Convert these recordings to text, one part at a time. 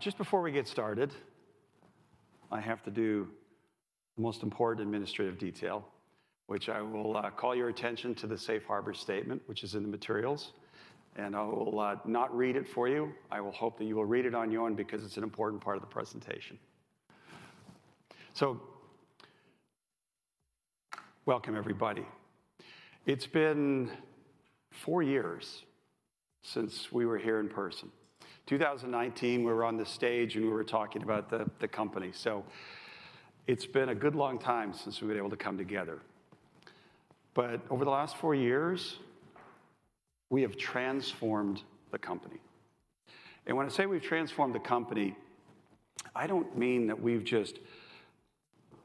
Just before we get started, I have to do the most important administrative detail, which I will call your attention to the safe harbor statement, which is in the materials, and I will not read it for you. I will hope that you will read it on your own because it's an important part of the presentation. So welcome, everybody. It's been four years since we were here in person. 2019, we were on this stage, and we were talking about the company. So it's been a good long time since we've been able to come together. But over the last four years, we have transformed the company. And when I say we've transformed the company, I don't mean that we've just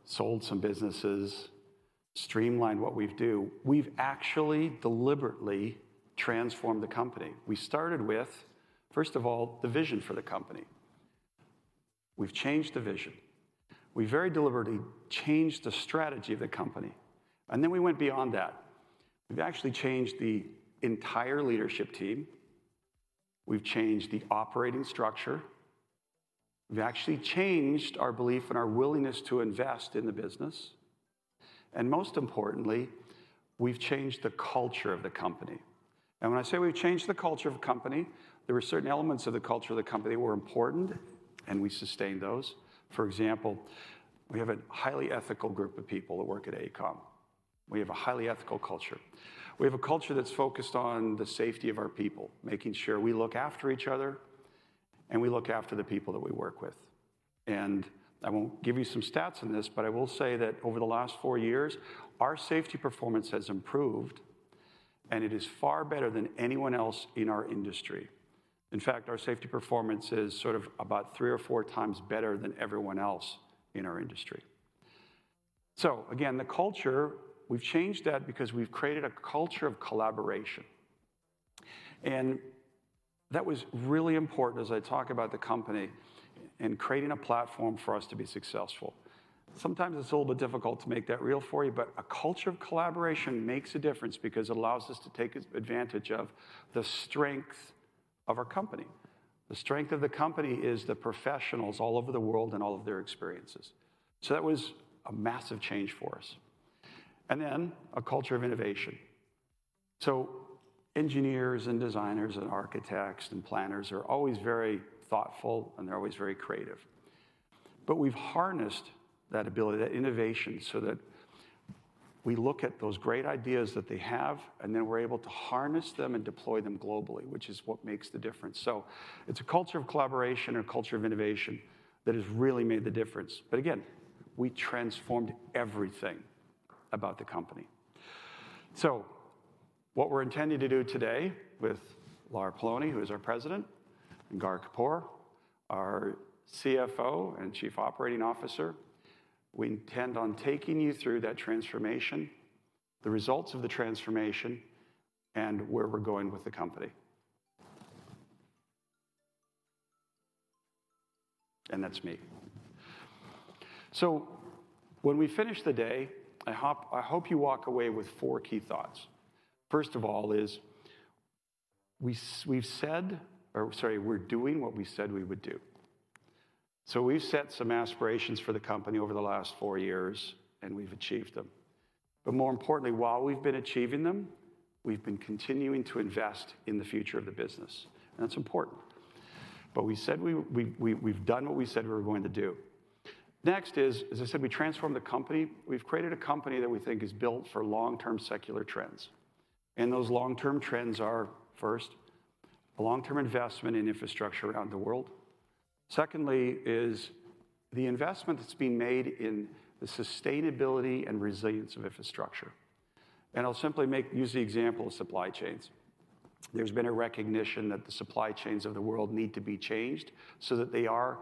sold some businesses, streamlined what we do. We've actually deliberately transformed the company. We started with, first of all, the vision for the company. We've changed the vision. We very deliberately changed the strategy of the company, and then we went beyond that. We've actually changed the entire leadership team, we've changed the operating structure, we've actually changed our belief and our willingness to invest in the business, and most importantly, we've changed the culture of the company. And when I say we've changed the culture of the company, there were certain elements of the culture of the company that were important, and we sustained those. For example, we have a highly ethical group of people that work at AECOM. We have a highly ethical culture. We have a culture that's focused on the safety of our people, making sure we look after each other and we look after the people that we work with. I won't give you some stats on this, but I will say that over the last four years, our safety performance has improved, and it is far better than anyone else in our industry. In fact, our safety performance is sort of about three or four times better than everyone else in our industry. Again, the culture, we've changed that because we've created a culture of collaboration. That was really important as I talk about the company and creating a platform for us to be successful. Sometimes it's a little bit difficult to make that real for you, but a culture of collaboration makes a difference because it allows us to take advantage of the strength of our company. The strength of the company is the professionals all over the world and all of their experiences. That was a massive change for us. And then a culture of innovation. So engineers and designers and architects and planners are always very thoughtful, and they're always very creative. But we've harnessed that ability, that innovation, so that we look at those great ideas that they have, and then we're able to harness them and deploy them globally, which is what makes the difference. So it's a culture of collaboration and a culture of innovation that has really made the difference. But again, we transformed everything about the company. So what we're intending to do today with Lara Poloni, who is our President, and Gaurav Kapoor, our CFO and Chief Operating Officer, we intend on taking you through that transformation, the results of the transformation, and where we're going with the company. And that's me. So when we finish the day, I hope you walk away with four key thoughts. First of all, we've said, or sorry, we're doing what we said we would do. So we've set some aspirations for the company over the last four years, and we've achieved them. But more importantly, while we've been achieving them, we've been continuing to invest in the future of the business, and that's important. But we've done what we said we were going to do. Next, as I said, we transformed the company. We've created a company that we think is built for long-term secular trends, and those long-term trends are, first, a long-term investment in infrastructure around the world. Secondly, the investment that's being made in the sustainability and resilience of infrastructure. And I'll simply use the example of supply chains. There's been a recognition that the supply chains of the world need to be changed so that they are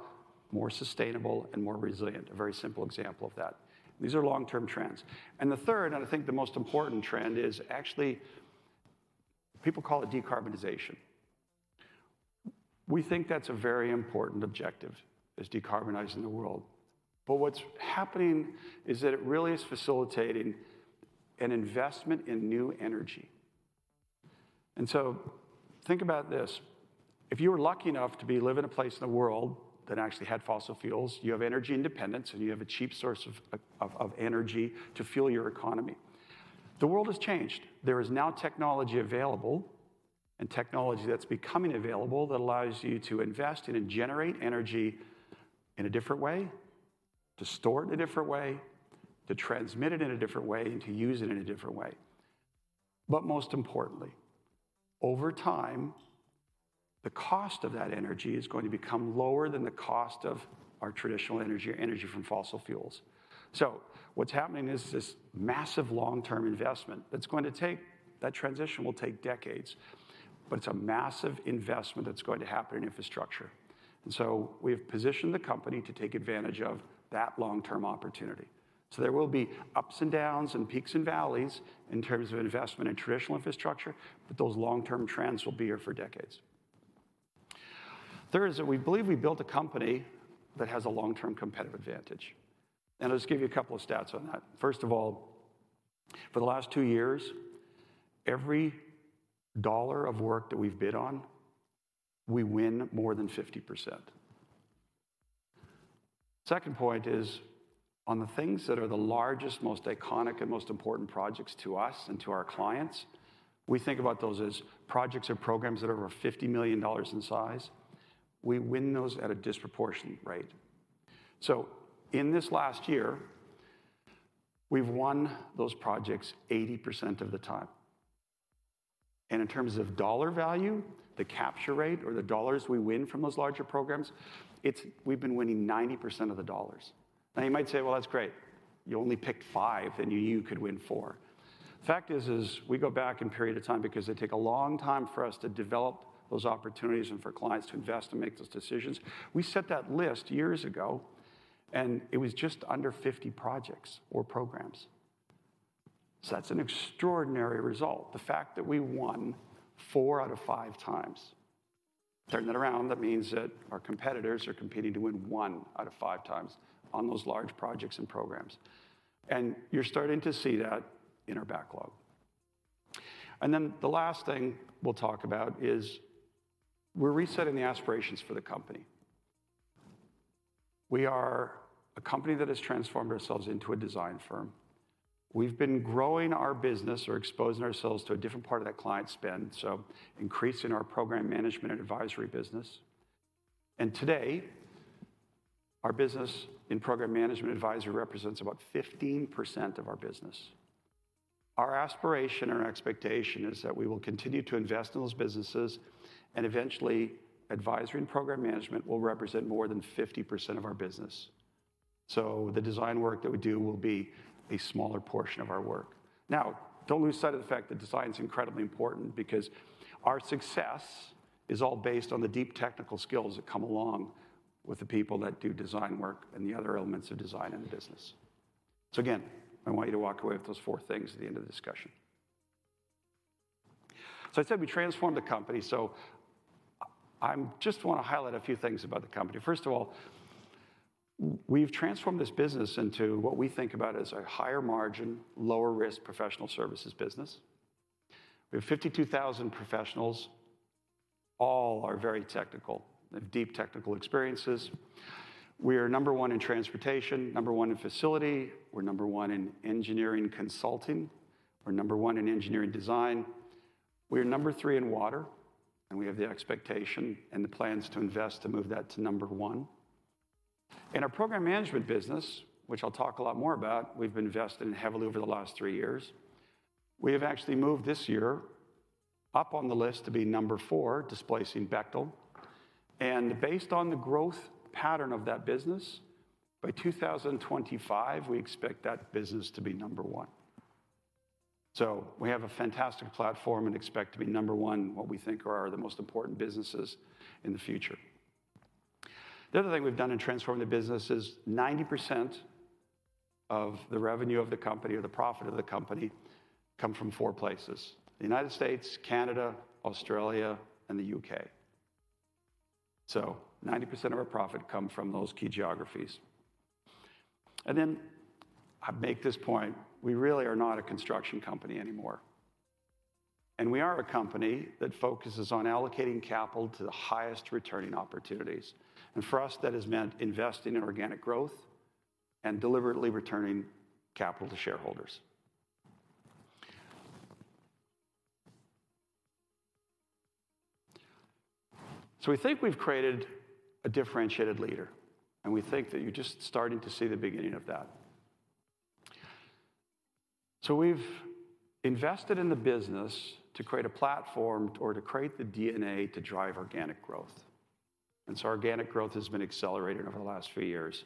more sustainable and more resilient, a very simple example of that. These are long-term trends. And the third, and I think the most important trend, is actually... People call it decarbonization. We think that's a very important objective, is decarbonizing the world. But what's happening is that it really is facilitating an investment in new energy. And so think about this. If you were lucky enough to be living in a place in the world that actually had fossil fuels, you have energy independence, and you have a cheap source of energy to fuel your economy. The world has changed. There is now technology available and technology that's becoming available that allows you to invest in and generate energy in a different way, to store it in a different way, to transmit it in a different way, and to use it in a different way. But most importantly, over time, the cost of that energy is going to become lower than the cost of our traditional energy or energy from fossil fuels. So what's happening is this massive long-term investment that's going to take. That transition will take decades, but it's a massive investment that's going to happen in infrastructure. And so we have positioned the company to take advantage of that long-term opportunity. So there will be ups and downs and peaks and valleys in terms of investment in traditional infrastructure, but those long-term trends will be here for decades. Third, is that we believe we built a company that has a long-term competitive advantage, and I'll just give you a couple of stats on that. First of all, for the last two years, every dollar of work that we've bid on, we win more than 50%. Second point is, on the things that are the largest, most iconic, and most important projects to us and to our clients, we think about those as projects or programs that are over $50 million in size. We win those at a disproportionate rate. So in this last year, we've won those projects 80% of the time. And in terms of dollar value, the capture rate or the dollars we win from those larger programs, it's. We've been winning 90% of the dollars. Now, you might say, "Well, that's great. You only picked 5, and you could win 4." The fact is, we go back in a period of time because they take a long time for us to develop those opportunities and for clients to invest and make those decisions. We set that list years ago, and it was just under 50 projects or programs. So that's an extraordinary result. The fact that we won 4 out of 5 times. Turning that around, that means that our competitors are competing to win 1 out of 5 times on those large projects and programs, and you're starting to see that in our backlog. Then the last thing we'll talk about is we're resetting the aspirations for the company. We are a company that has transformed ourselves into a design firm. We've been growing our business or exposing ourselves to a different part of that client spend, so increasing our program management and advisory business. Today, our business in program management advisory represents about 15% of our business. Our aspiration and our expectation is that we will continue to invest in those businesses, and eventually, advisory and program management will represent more than 50% of our business. The design work that we do will be a smaller portion of our work. Now, don't lose sight of the fact that design is incredibly important because our success is all based on the deep technical skills that come along with the people that do design work and the other elements of design in the business. Again, I want you to walk away with those four things at the end of the discussion. So I said we transformed the company, so I'm just wanna highlight a few things about the company. First of all, we've transformed this business into what we think about as a higher margin, lower risk, professional services business. We have 52,000 professionals. All are very technical. They have deep technical experiences. We are number 1 in transportation, number 1 in facility, we're number 1 in engineering consulting, we're number 1 in engineering design. We are number 3 in water, and we have the expectation and the plans to invest to move that to number 1. In our program management business, which I'll talk a lot more about, we've been investing heavily over the last 3 years. We have actually moved this year up on the list to be number 4, displacing Bechtel. Based on the growth pattern of that business, by 2025, we expect that business to be number one. So we have a fantastic platform and expect to be number one in what we think are the most important businesses in the future. The other thing we've done in transforming the business is 90% of the revenue of the company or the profit of the company come from four places: the United States, Canada, Australia, and the U.K. So 90% of our profit come from those key geographies. And then I make this point, we really are not a construction company anymore, and we are a company that focuses on allocating capital to the highest returning opportunities. And for us, that has meant investing in organic growth and deliberately returning capital to shareholders. So we think we've created a differentiated leader, and we think that you're just starting to see the beginning of that. So we've invested in the business to create a platform or to create the DNA to drive organic growth. And so organic growth has been accelerated over the last few years,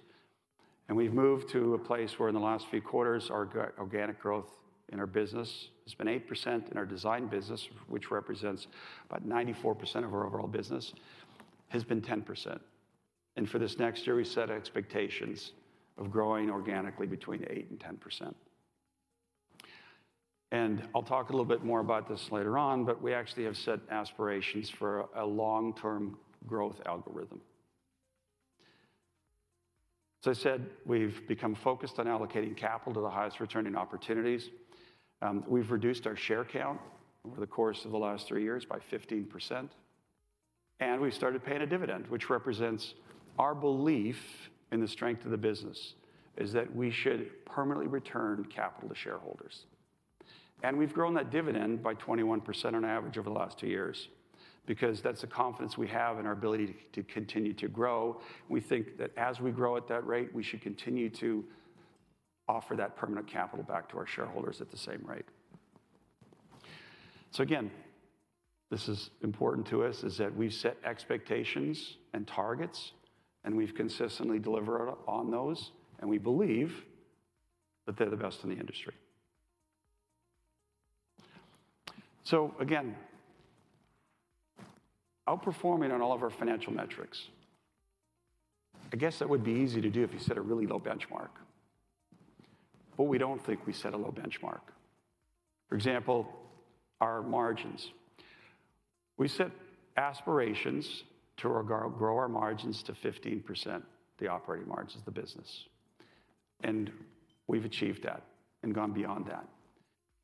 and we've moved to a place where in the last few quarters, our organic growth in our business has been 8%. In our design business, which represents about 94% of our overall business, has been 10%. And for this next year, we set expectations of growing organically between 8% and 10%. And I'll talk a little bit more about this later on, but we actually have set aspirations for a long-term growth algorithm. So I said we've become focused on allocating capital to the highest returning opportunities. We've reduced our share count over the course of the last three years by 15%, and we started paying a dividend, which represents our belief in the strength of the business, is that we should permanently return capital to shareholders. We've grown that dividend by 21% on average over the last two years, because that's the confidence we have in our ability to continue to grow. We think that as we grow at that rate, we should continue to offer that permanent capital back to our shareholders at the same rate. This is important to us, is that we've set expectations and targets, and we've consistently delivered on those, and we believe that they're the best in the industry. So again, outperforming on all of our financial metrics. I guess that would be easy to do if you set a really low benchmark, but we don't think we set a low benchmark. For example, our margins. We set aspirations to regrow, grow our margins to 15%, the operating margins of the business, and we've achieved that and gone beyond that.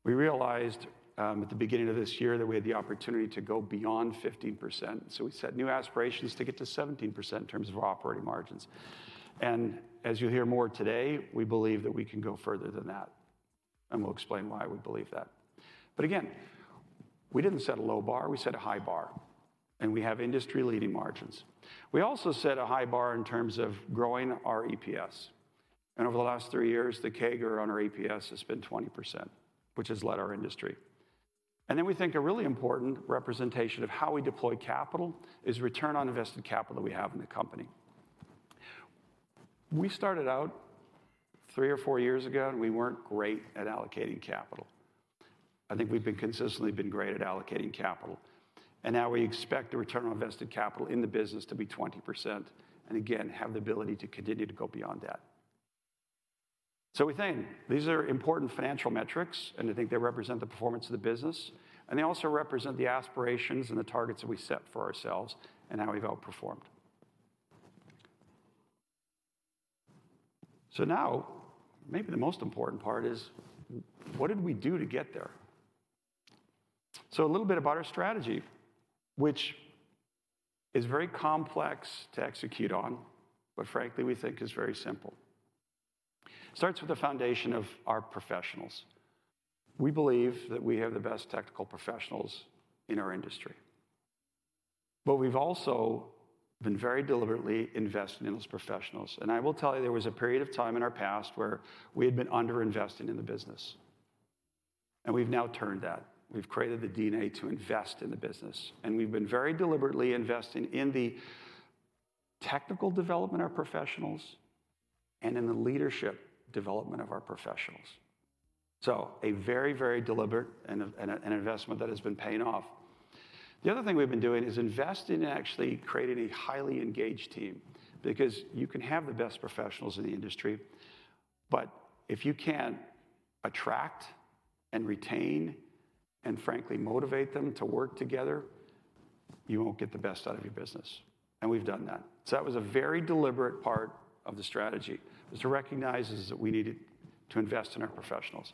We realized at the beginning of this year that we had the opportunity to go beyond 15%, so we set new aspirations to get to 17% in terms of our operating margins. And as you'll hear more today, we believe that we can go further than that, and we'll explain why we believe that. But again, we didn't set a low bar, we set a high bar, and we have industry-leading margins. We also set a high bar in terms of growing our EPS. Over the last 3 years, the CAGR on our EPS has been 20%, which has led our industry. Then we think a really important representation of how we deploy capital is return on invested capital we have in the company. We started out 3 or 4 years ago, and we weren't great at allocating capital. I think we've been consistently great at allocating capital, and now we expect the return on invested capital in the business to be 20%, and again, have the ability to continue to go beyond that. So we think these are important financial metrics, and I think they represent the performance of the business, and they also represent the aspirations and the targets that we set for ourselves and how we've outperformed. So now, maybe the most important part is what did we do to get there? So a little bit about our strategy, which is very complex to execute on, but frankly, we think is very simple. It starts with the foundation of our professionals. We believe that we have the best technical professionals in our industry, but we've also been very deliberately investing in those professionals. And I will tell you, there was a period of time in our past where we had been underinvesting in the business, and we've now turned that. We've created the DNA to invest in the business, and we've been very deliberately investing in the technical development of our professionals and in the leadership development of our professionals. So a very, very deliberate and an investment that has been paying off. The other thing we've been doing is investing and actually creating a highly engaged team, because you can have the best professionals in the industry, but if you can't attract and retain and frankly motivate them to work together, you won't get the best out of your business, and we've done that. So that was a very deliberate part of the strategy, was to recognize is that we needed to invest in our professionals.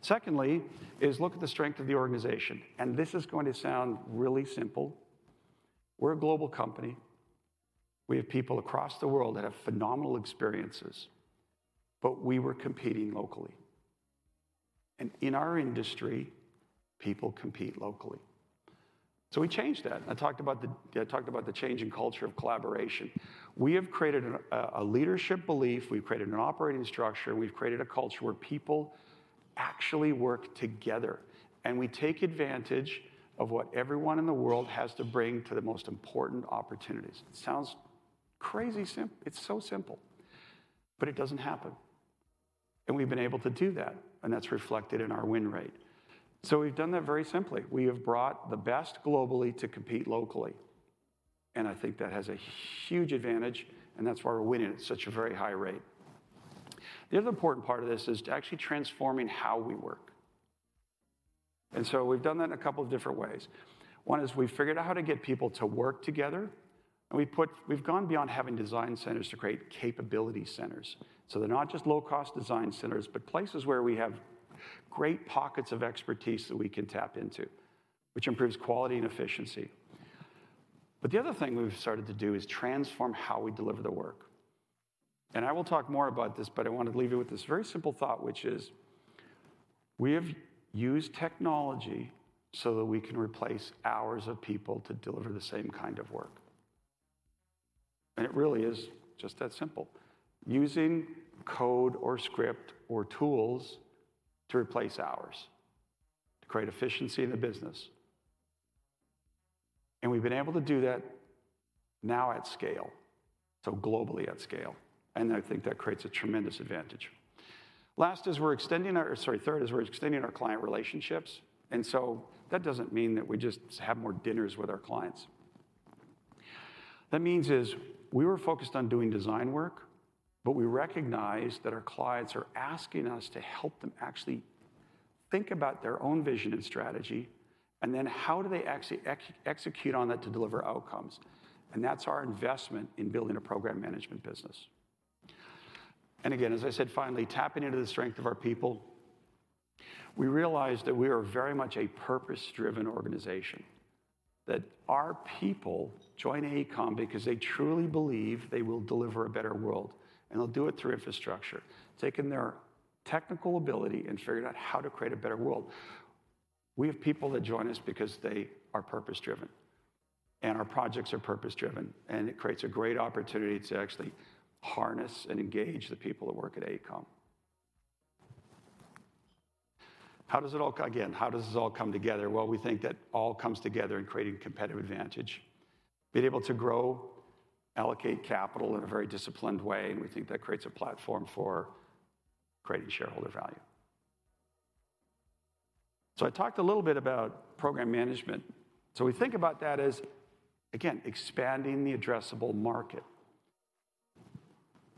Secondly, is look at the strength of the organization, and this is going to sound really simple. We're a global company. We have people across the world that have phenomenal experiences, but we were competing locally. And in our industry, people compete locally. So we changed that. I talked about the change in culture of collaboration. We have created a leadership belief, we've created an operating structure, and we've created a culture where people actually work together, and we take advantage of what everyone in the world has to bring to the most important opportunities. It sounds crazy simple. It's so simple, but it doesn't happen, and we've been able to do that, and that's reflected in our win rate. So we've done that very simply. We have brought the best globally to compete locally, and I think that has a huge advantage, and that's why we're winning at such a very high rate. The other important part of this is to actually transforming how we work, and so we've done that in a couple of different ways. One is we've figured out how to get people to work together, and we've gone beyond having design centers to create capability centers. They're not just low-cost design centers, but places where we have great pockets of expertise that we can tap into, which improves quality and efficiency. The other thing we've started to do is transform how we deliver the work. I will talk more about this, but I want to leave you with this very simple thought, which is, we have used technology so that we can replace hours of people to deliver the same kind of work. It really is just that simple. Using code or script or tools to replace hours, to create efficiency in the business, and we've been able to do that now at scale, so globally at scale, and I think that creates a tremendous advantage. Last is we're extending our... Sorry, third is we're extending our client relationships, and so that doesn't mean that we just have more dinners with our clients. That means is we were focused on doing design work, but we recognized that our clients are asking us to help them actually think about their own vision and strategy, and then how do they actually execute on that to deliver outcomes? And that's our investment in building a program management business. And again, as I said, finally, tapping into the strength of our people. We realized that we are very much a purpose-driven organization. That our people join AECOM because they truly believe they will deliver a better world, and they'll do it through infrastructure, taking their technical ability and figuring out how to create a better world. We have people that join us because they are purpose driven, and our projects are purpose driven, and it creates a great opportunity to actually harness and engage the people that work at AECOM. How does it all come together? Again, how does this all come together? Well, we think that all comes together in creating competitive advantage. Being able to grow, allocate capital in a very disciplined way, and we think that creates a platform for creating shareholder value. So I talked a little bit about program management. So we think about that as, again, expanding the addressable market.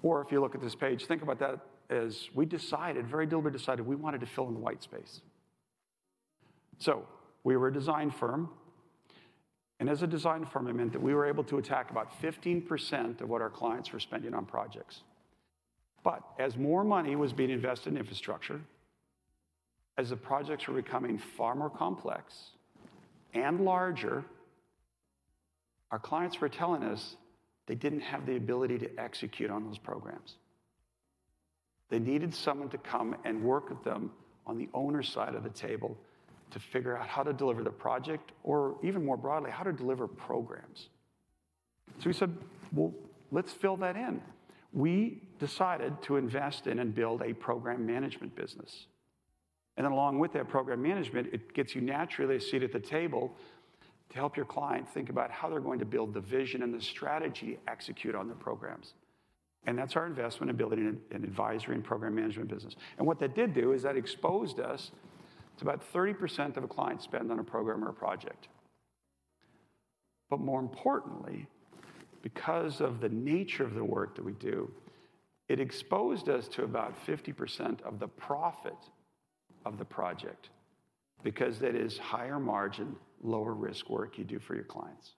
Or if you look at this page, think about that as we decided, very deliberately decided, we wanted to fill in the white space. We were a design firm, and as a design firm, it meant that we were able to attack about 15% of what our clients were spending on projects. As more money was being invested in infrastructure, as the projects were becoming far more complex and larger, our clients were telling us they didn't have the ability to execute on those programs. They needed someone to come and work with them on the owner's side of the table to figure out how to deliver the project, or even more broadly, how to deliver programs. So we said, "Well, let's fill that in." We decided to invest in and build a program management business, and then along with that program management, it gets you naturally a seat at the table to help your client think about how they're going to build the vision and the strategy, execute on their programs. That's our investment in building an advisory and program management business. And what that did do is that exposed us to about 30% of a client spend on a program or a project. But more importantly, because of the nature of the work that we do, it exposed us to about 50% of the profit of the project, because that is higher margin, lower risk work you do for your clients.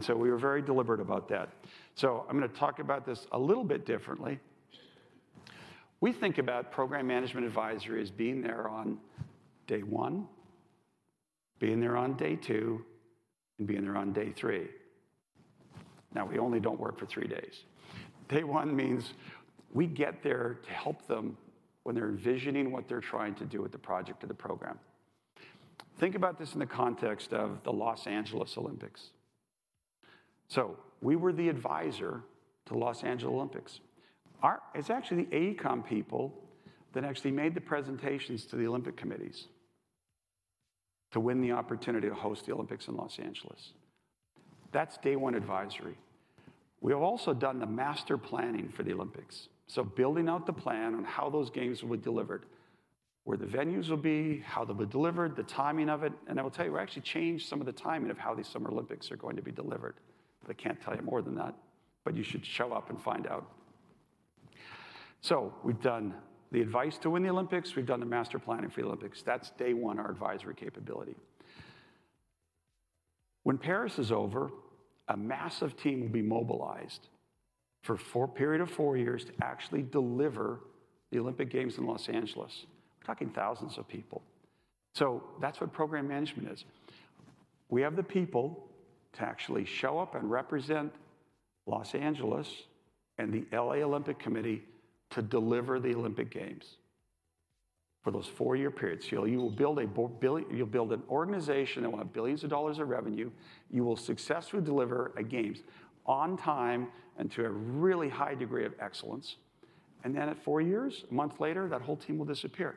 So we were very deliberate about that. So I'm gonna talk about this a little bit differently. We think about program management advisory as being there on Day 1, being there on Day 2, and being there on Day 3. Now, we only don't work for three days. Day 1 means we get there to help them when they're envisioning what they're trying to do with the project or the program. Think about this in the context of the Los Angeles Olympics. So we were the advisor to the Los Angeles Olympics. It's actually the AECOM people that actually made the presentations to the Olympic committees to win the opportunity to host the Olympics in Los Angeles. That's Day 1 advisory. We have also done the master planning for the Olympics, so building out the plan on how those games will be delivered, where the venues will be, how they'll be delivered, the timing of it. And I will tell you, we actually changed some of the timing of how these Summer Olympics are going to be delivered, but I can't tell you more than that. But you should show up and find out. So we've done the advice to win the Olympics. We've done the master planning for the Olympics. That's Day 1, our advisory capability. When Paris is over, a massive team will be mobilized for four, period of four years to actually deliver the Olympic Games in Los Angeles. We're talking thousands of people. So that's what program management is. We have the people to actually show up and represent Los Angeles and the LA Olympic Committee to deliver the Olympic Games for those four-year periods. You'll build an organization that will have $ billions of dollars of revenue. You will successfully deliver a games on time and to a really high degree of excellence, and then at 4 years, a month later, that whole team will disappear.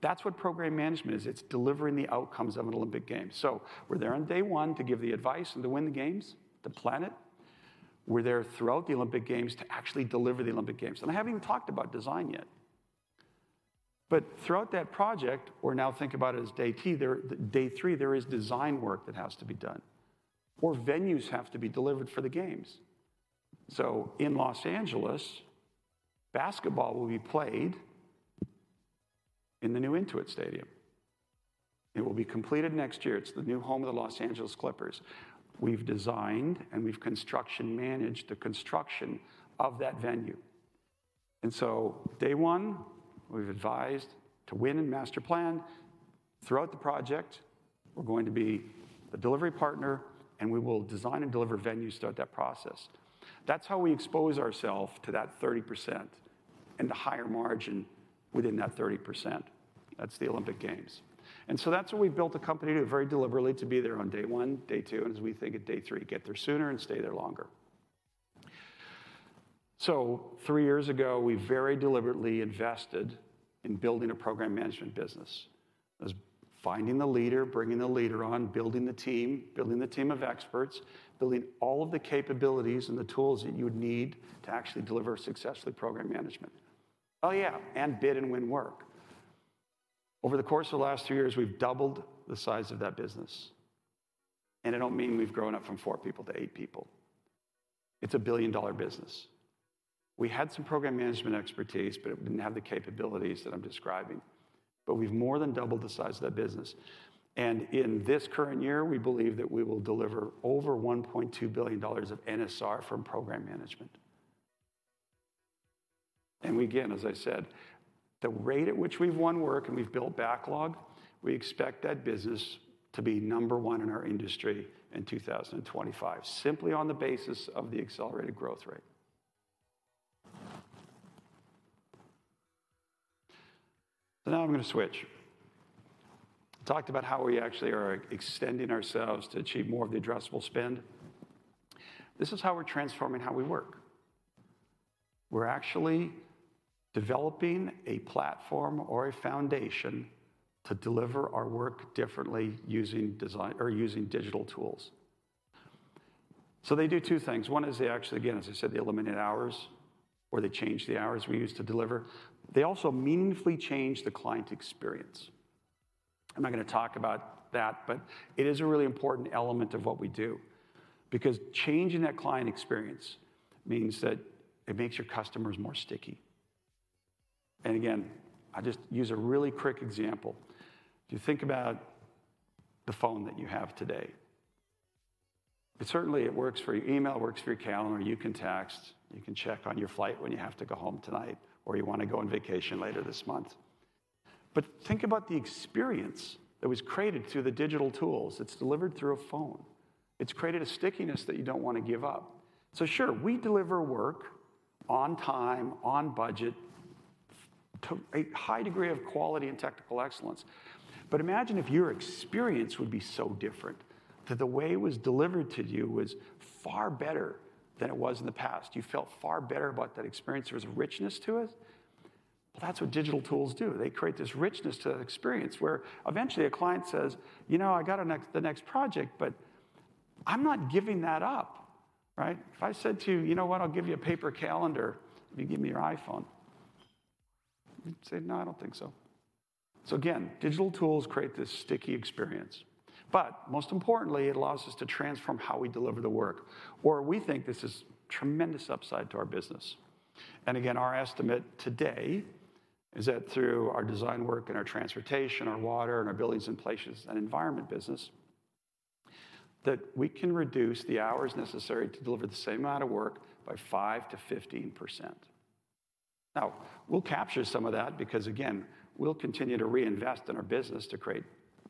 That's what program management is. It's delivering the outcomes of an Olympic game. So we're there on Day 1 to give the advice and to win the games, to plan it. We're there throughout the Olympic Games to actually deliver the Olympic Games, and I haven't even talked about design yet. But throughout that project, or now think about it as Day 2, Day 3, there is design work that has to be done, or venues have to be delivered for the games. So in Los Angeles, basketball will be played in the new Intuit Dome. It will be completed next year. It's the new home of the Los Angeles Clippers. We've designed and we've construction-managed the construction of that venue. And so Day 1, we've advised to win and master plan. Throughout the project, we're going to be a delivery partner, and we will design and deliver venues throughout that process. That's how we expose ourselves to that 30% and the higher margin within that 30%. That's the Olympic Games. And so that's why we've built a company very deliberately to be there on Day 1, Day 2, and as we think at Day 3, get there sooner and stay there longer. So 3 years ago, we very deliberately invested in building a program management business. That's finding the leader, bringing the leader on, building the team, building the team of experts, building all of the capabilities and the tools that you would need to actually deliver successful program management. Oh, yeah, and bid and win work. Over the course of the last 2 years, we've doubled the size of that business, and I don't mean we've grown up from 4 people to 8 people. It's a billion-dollar business. We had some program management expertise, but it didn't have the capabilities that I'm describing. But we've more than doubled the size of that business, and in this current year, we believe that we will deliver over $1.2 billion of NSR from program management. And again, as I said, the rate at which we've won work and we've built backlog, we expect that business to be number one in our industry in 2025, simply on the basis of the accelerated growth rate. So now I'm gonna switch. I talked about how we actually are extending ourselves to achieve more of the addressable spend. This is how we're transforming how we work. We're actually developing a platform or a foundation to deliver our work differently using design or using digital tools. So they do two things. One is they actually, again, as I said, they eliminate hours or they change the hours we use to deliver. They also meaningfully change the client experience.... I'm not gonna talk about that, but it is a really important element of what we do, because changing that client experience means that it makes your customers more sticky. And again, I'll just use a really quick example. If you think about the phone that you have today, it certainly works for your email, it works for your calendar, you can text, you can check on your flight when you have to go home tonight or you want to go on vacation later this month. But think about the experience that was created through the digital tools. It's delivered through a phone. It's created a stickiness that you don't want to give up. So sure, we deliver work on time, on budget, to a high degree of quality and Technical Excellence. But imagine if your experience would be so different, that the way it was delivered to you was far better than it was in the past. You felt far better about that experience. There was a richness to it. Well, that's what digital tools do. They create this richness to the experience, where eventually a client says, "You know, I got the next, the next project, but I'm not giving that up," right? If I said to you, "You know what? I'll give you a paper calendar if you give me your iPhone." You'd say, "No, I don't think so." So again, digital tools create this sticky experience, but most importantly, it allows us to transform how we deliver the work, where we think this is tremendous upside to our business. And again, our estimate today is that through our design Work and our transportation, our water, and our Buildings and Places, and Environment Business, that we can reduce the hours necessary to deliver the same amount of work by 5%-15%. Now, we'll capture some of that because, again, we'll continue to reinvest in our business to create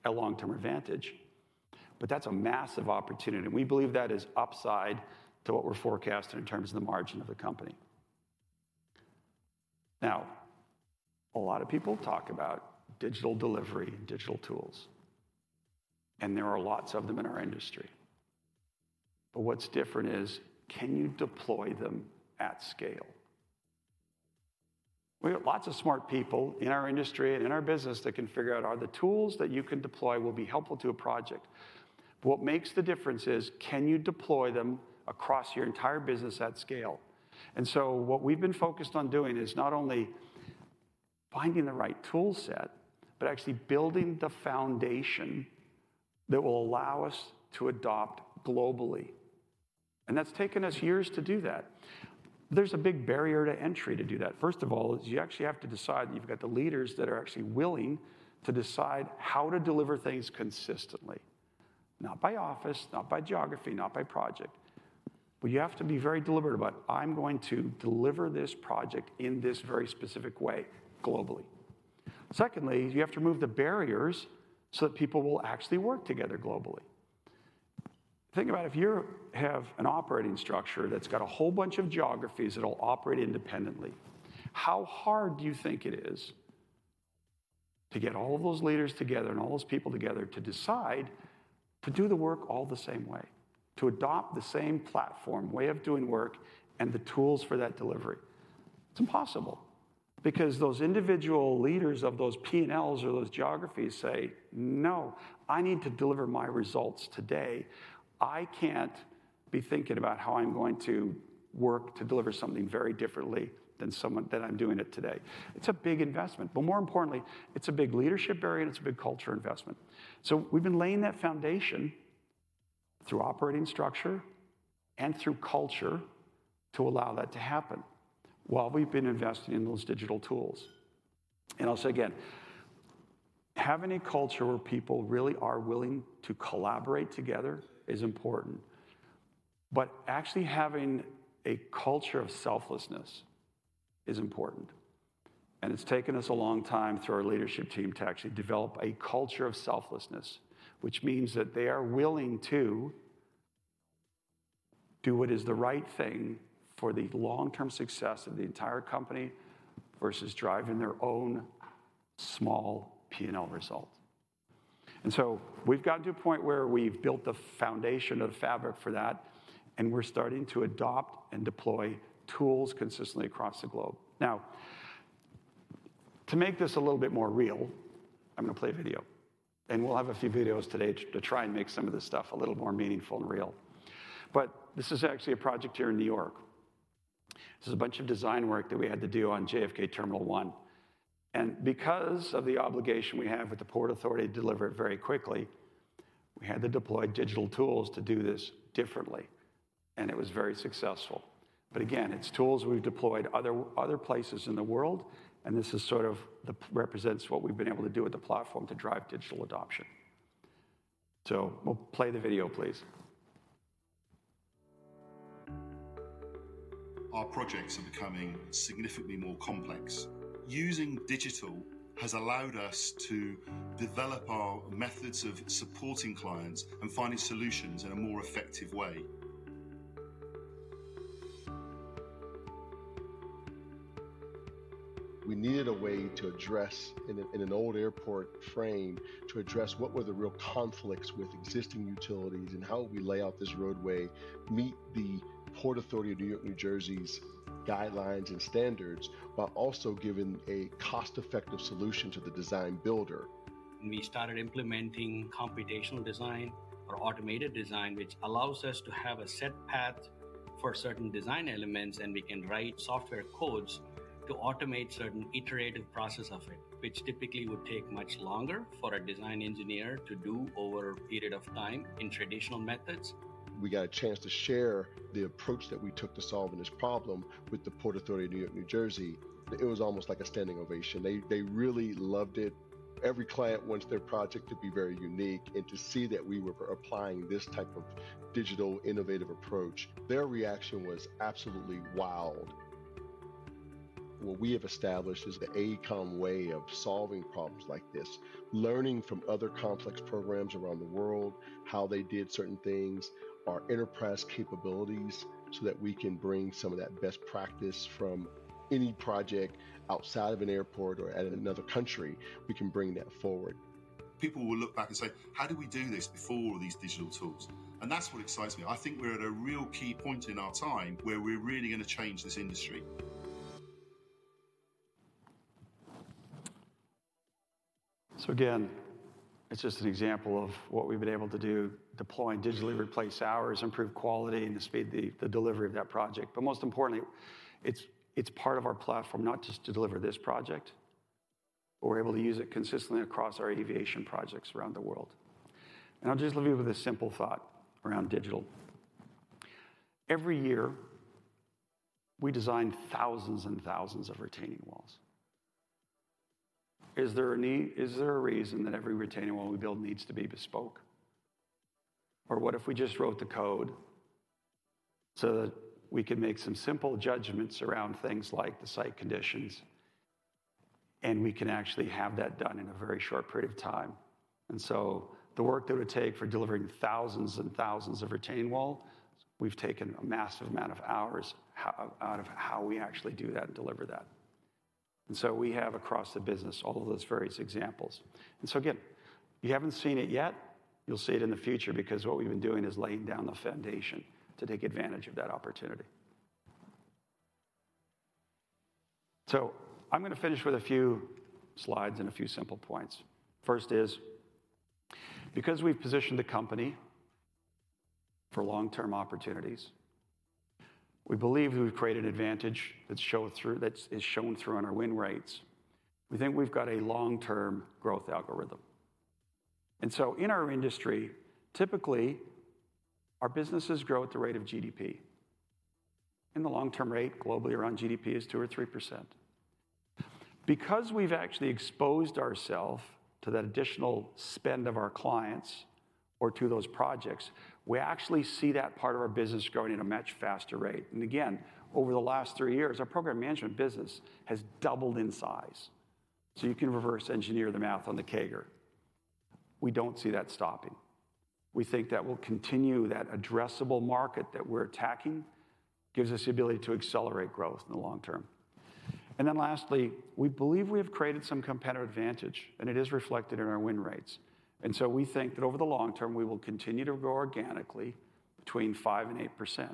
a long-term advantage. But that's a massive opportunity, and we believe that is upside to what we're forecasting in terms of the margin of the company. Now, a lot of people talk about digital delivery and digital tools, and there are lots of them in our industry. But what's different is, can you deploy them at scale? We got lots of smart people in our industry and in our business that can figure out are the tools that you can deploy will be helpful to a project. What makes the difference is, can you deploy them across your entire business at scale? And so what we've been focused on doing is not only finding the right tool set, but actually building the foundation that will allow us to adopt globally. And that's taken us years to do that. There's a big barrier to entry to do that. First of all, is you actually have to decide, and you've got the leaders that are actually willing to decide how to deliver things consistently. Not by office, not by geography, not by project, but you have to be very deliberate about, "I'm going to deliver this project in this very specific way, globally." Secondly, you have to move the barriers so that people will actually work together globally. Think about if you have an operating structure that's got a whole bunch of geographies that all operate independently, how hard do you think it is to get all of those leaders together and all those people together to decide to do the work all the same way, to adopt the same platform, way of doing work, and the tools for that delivery? It's impossible, because those individual leaders of those P&Ls or those geographies say, "No, I need to deliver my results today. I can't be thinking about how I'm going to work to deliver something very differently than how I'm doing it today." It's a big investment, but more importantly, it's a big leadership area, and it's a big culture investment. We've been laying that foundation through operating structure and through culture to allow that to happen while we've been investing in those digital tools. I'll say again, having a culture where people really are willing to collaborate together is important, but actually having a culture of selflessness is important. It's taken us a long time through our leadership team to actually develop a culture of selflessness, which means that they are willing to do what is the right thing for the long-term success of the entire company versus driving their own small P&L result. And so we've gotten to a point where we've built the foundation of the fabric for that, and we're starting to adopt and deploy tools consistently across the globe. Now, to make this a little bit more real, I'm gonna play a video, and we'll have a few videos today to try and make some of this stuff a little more meaningful and real. But this is actually a project here in New York. This is a bunch of design work that we had to do on JFK Terminal One, and because of the obligation we have with the Port Authority to deliver it very quickly, we had to deploy digital tools to do this differently, and it was very successful. But again, it's tools we've deployed in other places in the world, and this sort of represents what we've been able to do with the platform to drive digital adoption. So we'll play the video, please. Our projects are becoming significantly more complex. Using digital has allowed us to develop our methods of supporting clients and finding solutions in a more effective way. We needed a way to address, in an old airport frame, what were the real conflicts with existing utilities and how we lay out this roadway, meet the Port Authority of New York and New Jersey's guidelines and standards, while also giving a cost-effective solution to the design-builder. We started implementing computational design or automated design, which allows us to have a set path for certain design elements, and we can write software codes to automate certain iterative process of it, which typically would take much longer for a design engineer to do over a period of time in traditional methods. ... We got a chance to share the approach that we took to solving this problem with the Port Authority of New York and New Jersey. It was almost like a standing ovation. They, they really loved it. Every client wants their project to be very unique, and to see that we were applying this type of digital innovative approach, their reaction was absolutely wild. What we have established is the AECOM Way of solving problems like this, learning from other complex programs around the world, how they did certain things, our enterprise capabilities, so that we can bring some of that best practice from any project outside of an airport or at another country, we can bring that forward. People will look back and say, "How did we do this before all these digital tools?" That's what excites me. I think we're at a real key point in our time, where we're really gonna change this industry. So again, it's just an example of what we've been able to do, deploying digitally, replace hours, improve quality, and speed the delivery of that project. But most importantly, it's part of our platform, not just to deliver this project, but we're able to use it consistently across our aviation projects around the world. And I'll just leave you with a simple thought around digital. Every year, we design thousands and thousands of retaining walls. Is there a need? Is there a reason that every retaining wall we build needs to be bespoke? Or what if we just wrote the code so that we could make some simple judgments around things like the site conditions, and we can actually have that done in a very short period of time? So the work that would take for delivering thousands and thousands of retaining wall, we've taken a massive amount of hours out of how we actually do that and deliver that. So we have, across the business, all of those various examples. Again, if you haven't seen it yet, you'll see it in the future because what we've been doing is laying down the foundation to take advantage of that opportunity. So I'm gonna finish with a few slides and a few simple points. First is, because we've positioned the company for long-term opportunities, we believe we've created advantage that show through, that is shown through on our win rates. We think we've got a long-term growth algorithm. In our industry, typically, our businesses grow at the rate of GDP. In the long-term rate, globally around GDP is 2%-3%. Because we've actually exposed ourselves to that additional spend of our clients or to those projects, we actually see that part of our business growing at a much faster rate. And again, over the last three years, our program management business has doubled in size. So you can reverse engineer the math on the CAGR. We don't see that stopping. We think that will continue. That addressable market that we're attacking gives us the ability to accelerate growth in the long term. And then lastly, we believe we have created some competitive advantage, and it is reflected in our win rates. And so we think that over the long term, we will continue to grow organically between 5% and 8%.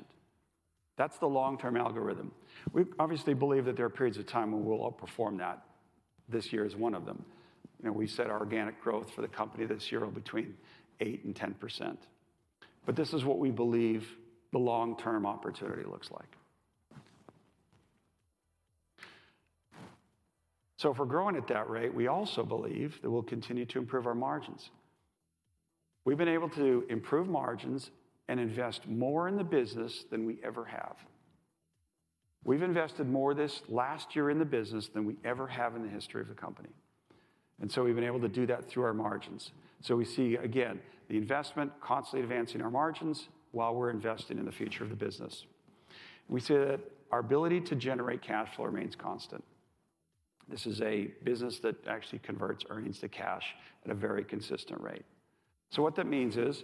That's the long-term algorithm. We obviously believe that there are periods of time when we'll outperform that. This year is one of them. You know, we said our organic growth for the company this year are between 8% and 10%. But this is what we believe the long-term opportunity looks like. So if we're growing at that rate, we also believe that we'll continue to improve our margins. We've been able to improve margins and invest more in the business than we ever have. We've invested more this last year in the business than we ever have in the history of the company, and so we've been able to do that through our margins. So we see, again, the investment constantly advancing our margins while we're investing in the future of the business. We see that our ability to generate cash flow remains constant. This is a business that actually converts earnings to cash at a very consistent rate. What that means is,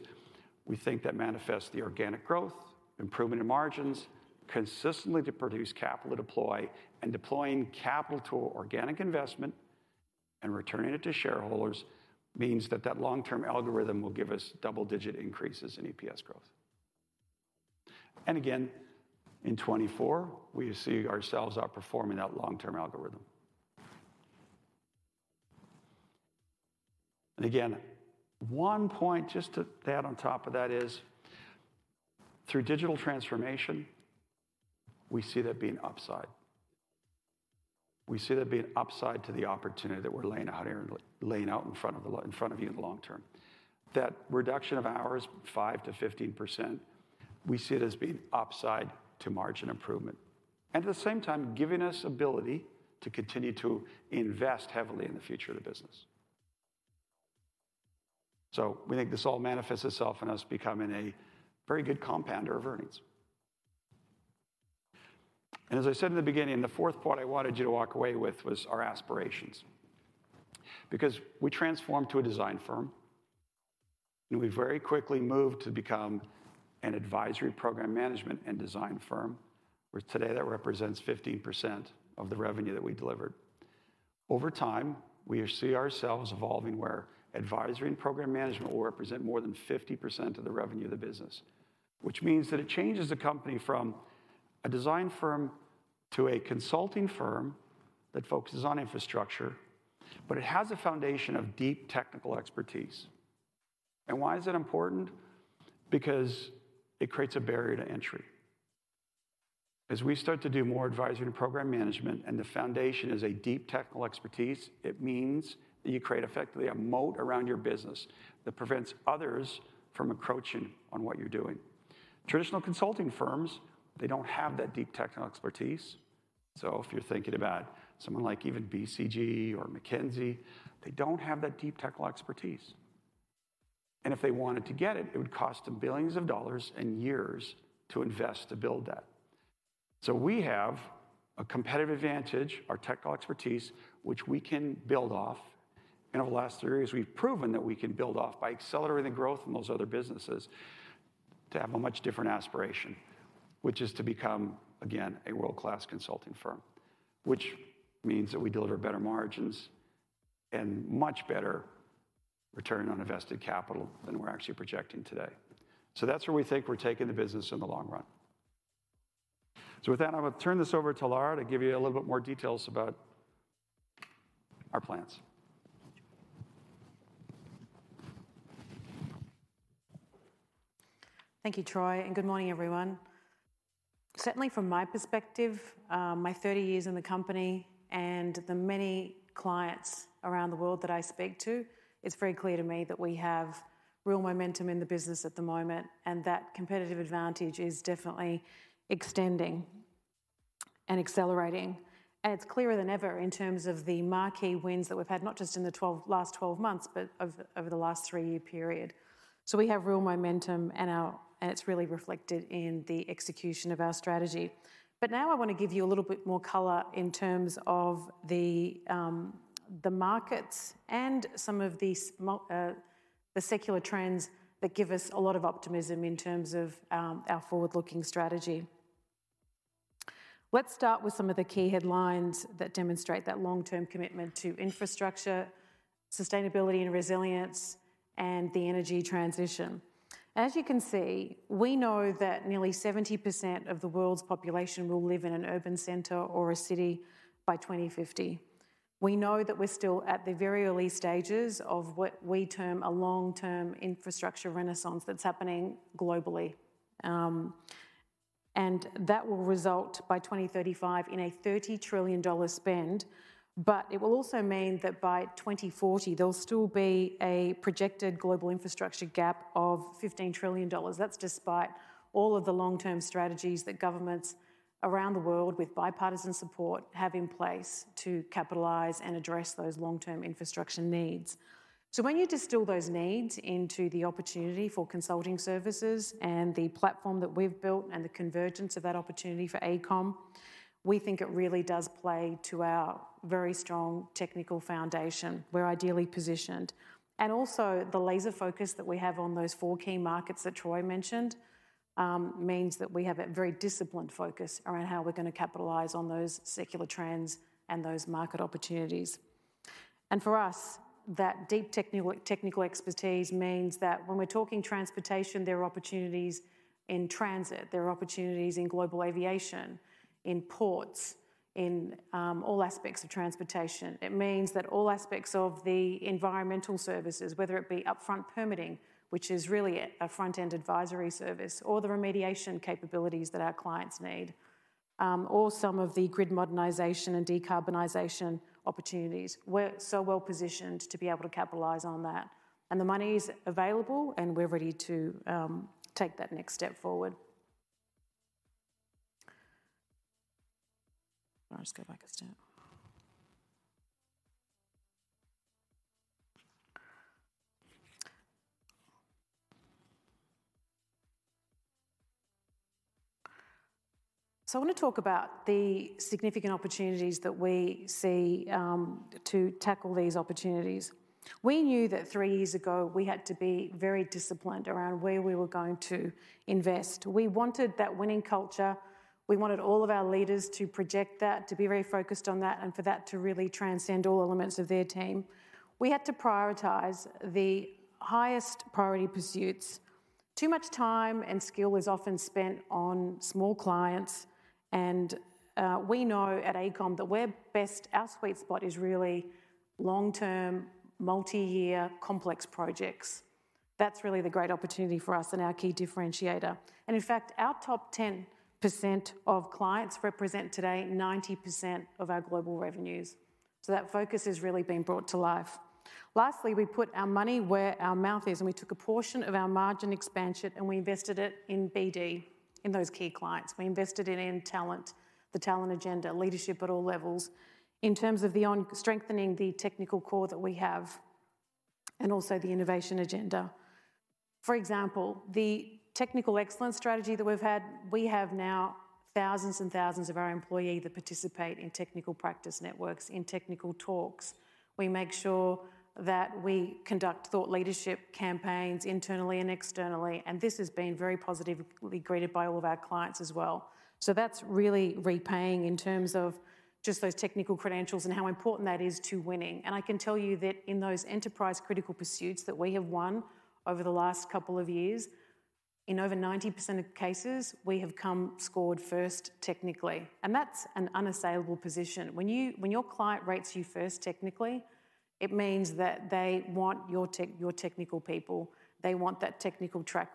we think that manifests the organic growth, improvement in margins, consistently to produce capital to deploy, and deploying capital to organic investment and returning it to shareholders, means that that long-term algorithm will give us double-digit increases in EPS growth. Again, in 2024, we see ourselves outperforming that long-term algorithm. Again, one point just to add on top of that is, through digital transformation, we see there being upside. We see there being upside to the opportunity that we're laying out here and laying out in front of the, in front of you in the long term. That reduction of hours, 5%-15%, we see it as being upside to margin improvement, and at the same time, giving us ability to continue to invest heavily in the future of the business. We think this all manifests itself in us becoming a very good compounder of earnings. As I said in the beginning, the fourth point I wanted you to walk away with was our aspirations. Because we transformed to a design firm, and we've very quickly moved to become an advisory program management and design firm, where today that represents 15% of the revenue that we delivered. Over time, we see ourselves evolving where advisory and program management will represent more than 50% of the revenue of the business, which means that it changes the company from a design firm to a consulting firm that focuses on infrastructure, but it has a foundation of deep technical expertise. Why is it important? Because it creates a barrier to entry. As we start to do more advisory and program management, and the foundation is a deep technical expertise, it means that you create effectively a moat around your business that prevents others from encroaching on what you're doing. Traditional consulting firms, they don't have that deep technical expertise. So if you're thinking about someone like even BCG or McKinsey, they don't have that deep technical expertise. And if they wanted to get it, it would cost them billions of dollars and years to invest to build that. So we have a competitive advantage, our technical expertise, which we can build off, and over the last three years, we've proven that we can build off by accelerating growth in those other businesses to have a much different aspiration, which is to become, again, a world-class consulting firm. Which means that we deliver better margins and much better return on invested capital than we're actually projecting today. So that's where we think we're taking the business in the long run. So with that, I'm going to turn this over to Lara to give you a little bit more details about our plans. Thank you, Troy, and good morning, everyone. Certainly from my perspective, my 30 years in the company and the many clients around the world that I speak to, it's very clear to me that we have real momentum in the business at the moment, and that competitive advantage is definitely extending and accelerating. It's clearer than ever in terms of the marquee wins that we've had, not just in the last 12 months, but over the last 3-year period. We have real momentum, and it's really reflected in the execution of our strategy. Now I want to give you a little bit more color in terms of the markets and some of these the secular trends that give us a lot of optimism in terms of our forward-looking strategy. Let's start with some of the key headlines that demonstrate that long-term commitment to infrastructure, sustainability and resilience, and the energy transition. As you can see, we know that nearly 70% of the world's population will live in an urban center or a city by 2050. We know that we're still at the very early stages of what we term a long-term infrastructure renaissance that's happening globally. And that will result by 2035 in a $30 trillion spend, but it will also mean that by 2040, there'll still be a projected global infrastructure gap of $15 trillion. That's despite all of the long-term strategies that governments around the world, with bipartisan support, have in place to capitalize and address those long-term infrastructure needs. So when you distill those needs into the opportunity for consulting services and the platform that we've built and the convergence of that opportunity for AECOM, we think it really does play to our very strong technical foundation. We're ideally positioned. And also, the laser focus that we have on those four key markets that Troy mentioned means that we have a very disciplined focus around how we're gonna capitalize on those secular trends and those market opportunities. And for us, that deep technical expertise means that when we're talking transportation, there are opportunities in transit, there are opportunities in global aviation, in ports, in all aspects of transportation. It means that all aspects of the environmental services, whether it be upfront permitting, which is really a front-end advisory service, or the remediation capabilities that our clients need, or some of the grid modernization and decarbonization opportunities, we're so well positioned to be able to capitalize on that. And the money is available, and we're ready to take that next step forward. I'll just go back a step. So I want to talk about the significant opportunities that we see to tackle these opportunities. We knew that three years ago, we had to be very disciplined around where we were going to invest. We wanted that winning culture. We wanted all of our leaders to project that, to be very focused on that, and for that to really transcend all elements of their team. We had to prioritize the highest priority pursuits. Too much time and skill is often spent on small clients, and we know at AECOM that we're best, our sweet spot is really long-term, multi-year, complex projects. That's really the great opportunity for us and our key differentiator. And in fact, our top 10% of clients represent today 90% of our global revenues. So that focus is really being brought to life. Lastly, we put our money where our mouth is, and we took a portion of our margin expansion, and we invested it in BD, in those key clients. We invested it in talent, the talent agenda, leadership at all levels, in terms of the on strengthening the technical core that we have and also the innovation agenda. For example, the Technical Excellence strategy that we've had, we have now thousands and thousands of our employee that participate in Technical Practice Networks, in technical talks. We make sure that we conduct thought leadership campaigns internally and externally, and this has been very positively greeted by all of our clients as well. So that's really repaying in terms of just those technical credentials and how important that is to winning. And I can tell you that in those enterprise-critical pursuits that we have won over the last couple of years, in over 90% of cases, we have come scored first technically, and that's an unassailable position. When your client rates you first technically, it means that they want your technical people, they want that technical track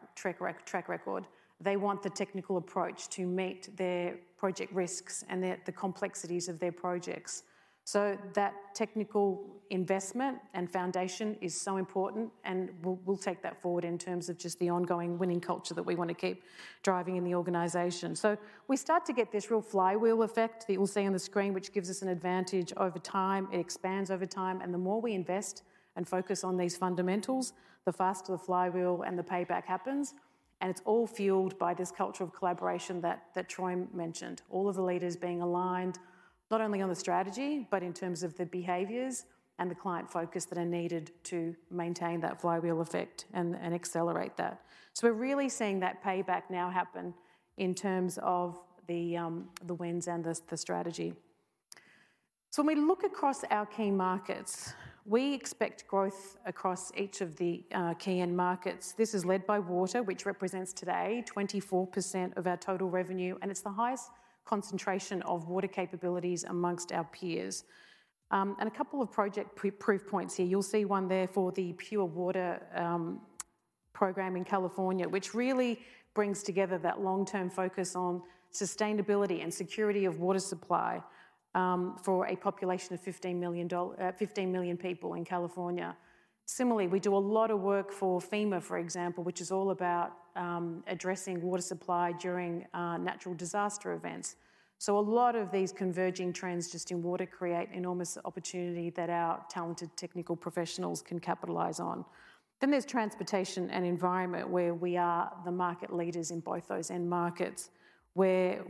record, they want the technical approach to meet their project risks and the complexities of their projects. So that technical investment and foundation is so important, and we'll take that forward in terms of just the ongoing winning culture that we want to keep driving in the organization. So we start to get this real flywheel effect that you'll see on the screen, which gives us an advantage over time. It expands over time, and the more we invest and focus on these fundamentals, the faster the flywheel and the payback happens, and it's all fueled by this culture of collaboration that Troy mentioned. All of the leaders being aligned, not only on the strategy, but in terms of the behaviors and the client focus that are needed to maintain that flywheel effect and accelerate that. So we're really seeing that payback now happen in terms of the wins and the strategy. So when we look across our key markets, we expect growth across each of the key end markets. This is led by water, which represents today 24% of our total revenue, and it's the highest concentration of water capabilities amongst our peers. And a couple of project proof points here. You'll see one there for the Pure Water program in California, which really brings together that long-term focus on sustainability and security of water supply for a population of 15 million people in California. Similarly, we do a lot of work for FEMA, for example, which is all about addressing water supply during natural disaster events. So a lot of these converging trends just in water create enormous opportunity that our talented technical professionals can capitalize on. Then there's transportation and environment, where we are the market leaders in both those end markets, where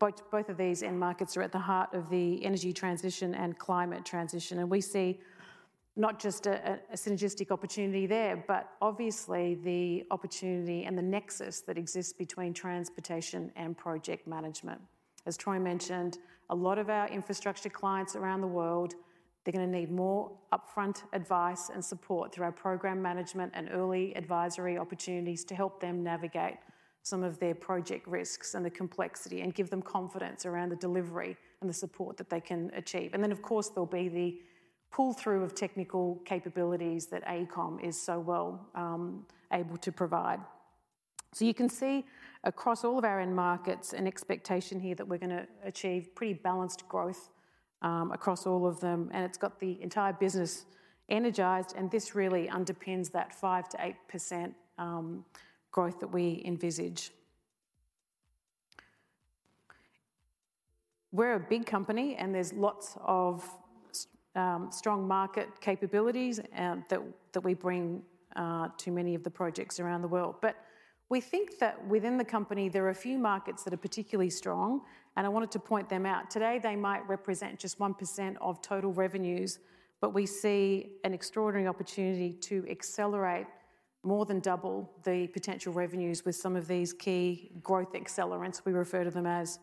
both of these end markets are at the heart of the energy transition and climate transition, and we see not just a synergistic opportunity there, but obviously the opportunity and the nexus that exists between transportation and project management. As Troy mentioned, a lot of our infrastructure clients around the world, they're gonna need more upfront advice and support through our program management and early advisory opportunities to help them navigate some of their project risks and the complexity, and give them confidence around the delivery and the support that they can achieve. And then, of course, there'll be the pull-through of technical capabilities that AECOM is so well able to provide. So you can see across all of our end markets, an expectation here that we're gonna achieve pretty balanced growth, across all of them, and it's got the entire business energized, and this really underpins that 5%-8% growth that we envisage. We're a big company, and there's lots of strong market capabilities, that, that we bring, to many of the projects around the world. But we think that within the company, there are a few markets that are particularly strong, and I wanted to point them out. Today, they might represent just 1% of total revenues, but we see an extraordinary opportunity to accelerate more than double the potential revenues with some of these key growth accelerants, we refer to them as.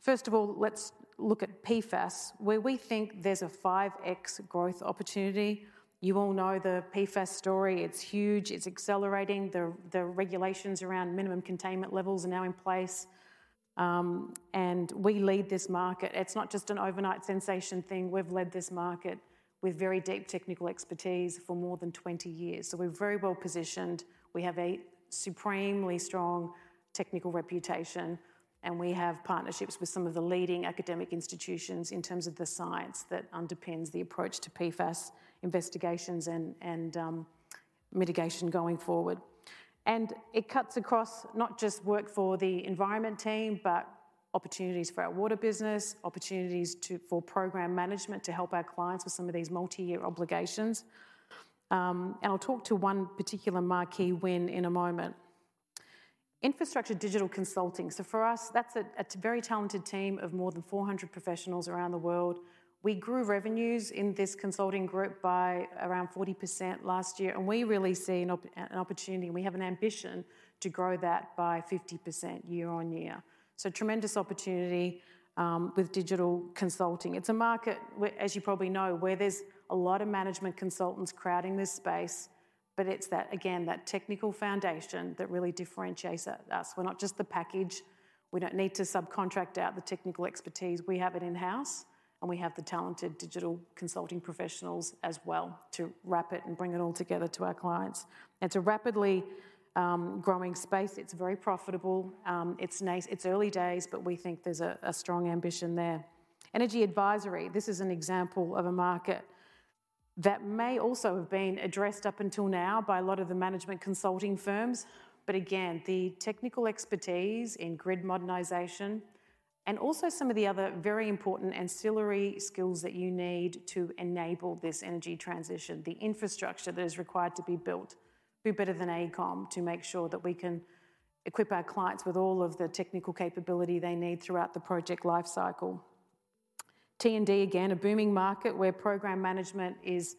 First of all, let's look at PFAS, where we think there's a 5x growth opportunity. You all know the PFAS story. It's huge, it's accelerating. The regulations around minimum containment levels are now in place, and we lead this market. It's not just an overnight sensation thing. We've led this market with very deep technical expertise for more than 20 years, so we're very well positioned. We have a supremely strong technical reputation, and we have partnerships with some of the leading academic institutions in terms of the science that underpins the approach to PFAS investigations and mitigation going forward. It cuts across not just work for the environment team, but opportunities for our water business, opportunities for program management to help our clients with some of these multi-year obligations. I'll talk to one particular marquee win in a moment. Infrastructure digital consulting. So for us, that's a very talented team of more than 400 professionals around the world. We grew revenues in this consulting group by around 40% last year, and we really see an opportunity, and we have an ambition to grow that by 50% year on year. So tremendous opportunity with digital consulting. It's a market where, as you probably know, where there's a lot of management consultants crowding this space, but it's that, again, that technical foundation that really differentiates us. We're not just the package. We don't need to subcontract out the technical expertise. We have it in-house, and we have the talented digital consulting professionals as well to wrap it and bring it all together to our clients. It's a rapidly growing space. It's very profitable. It's nice. It's early days, but we think there's a strong ambition there. Energy advisory. This is an example of a market that may also have been addressed up until now by a lot of the management consulting firms, but again, the technical expertise in grid modernization and also some of the other very important ancillary skills that you need to enable this energy transition, the infrastructure that is required to be built, who better than AECOM to make sure that we can equip our clients with all of the technical capability they need throughout the project lifecycle? T&D, again, a booming market where program management is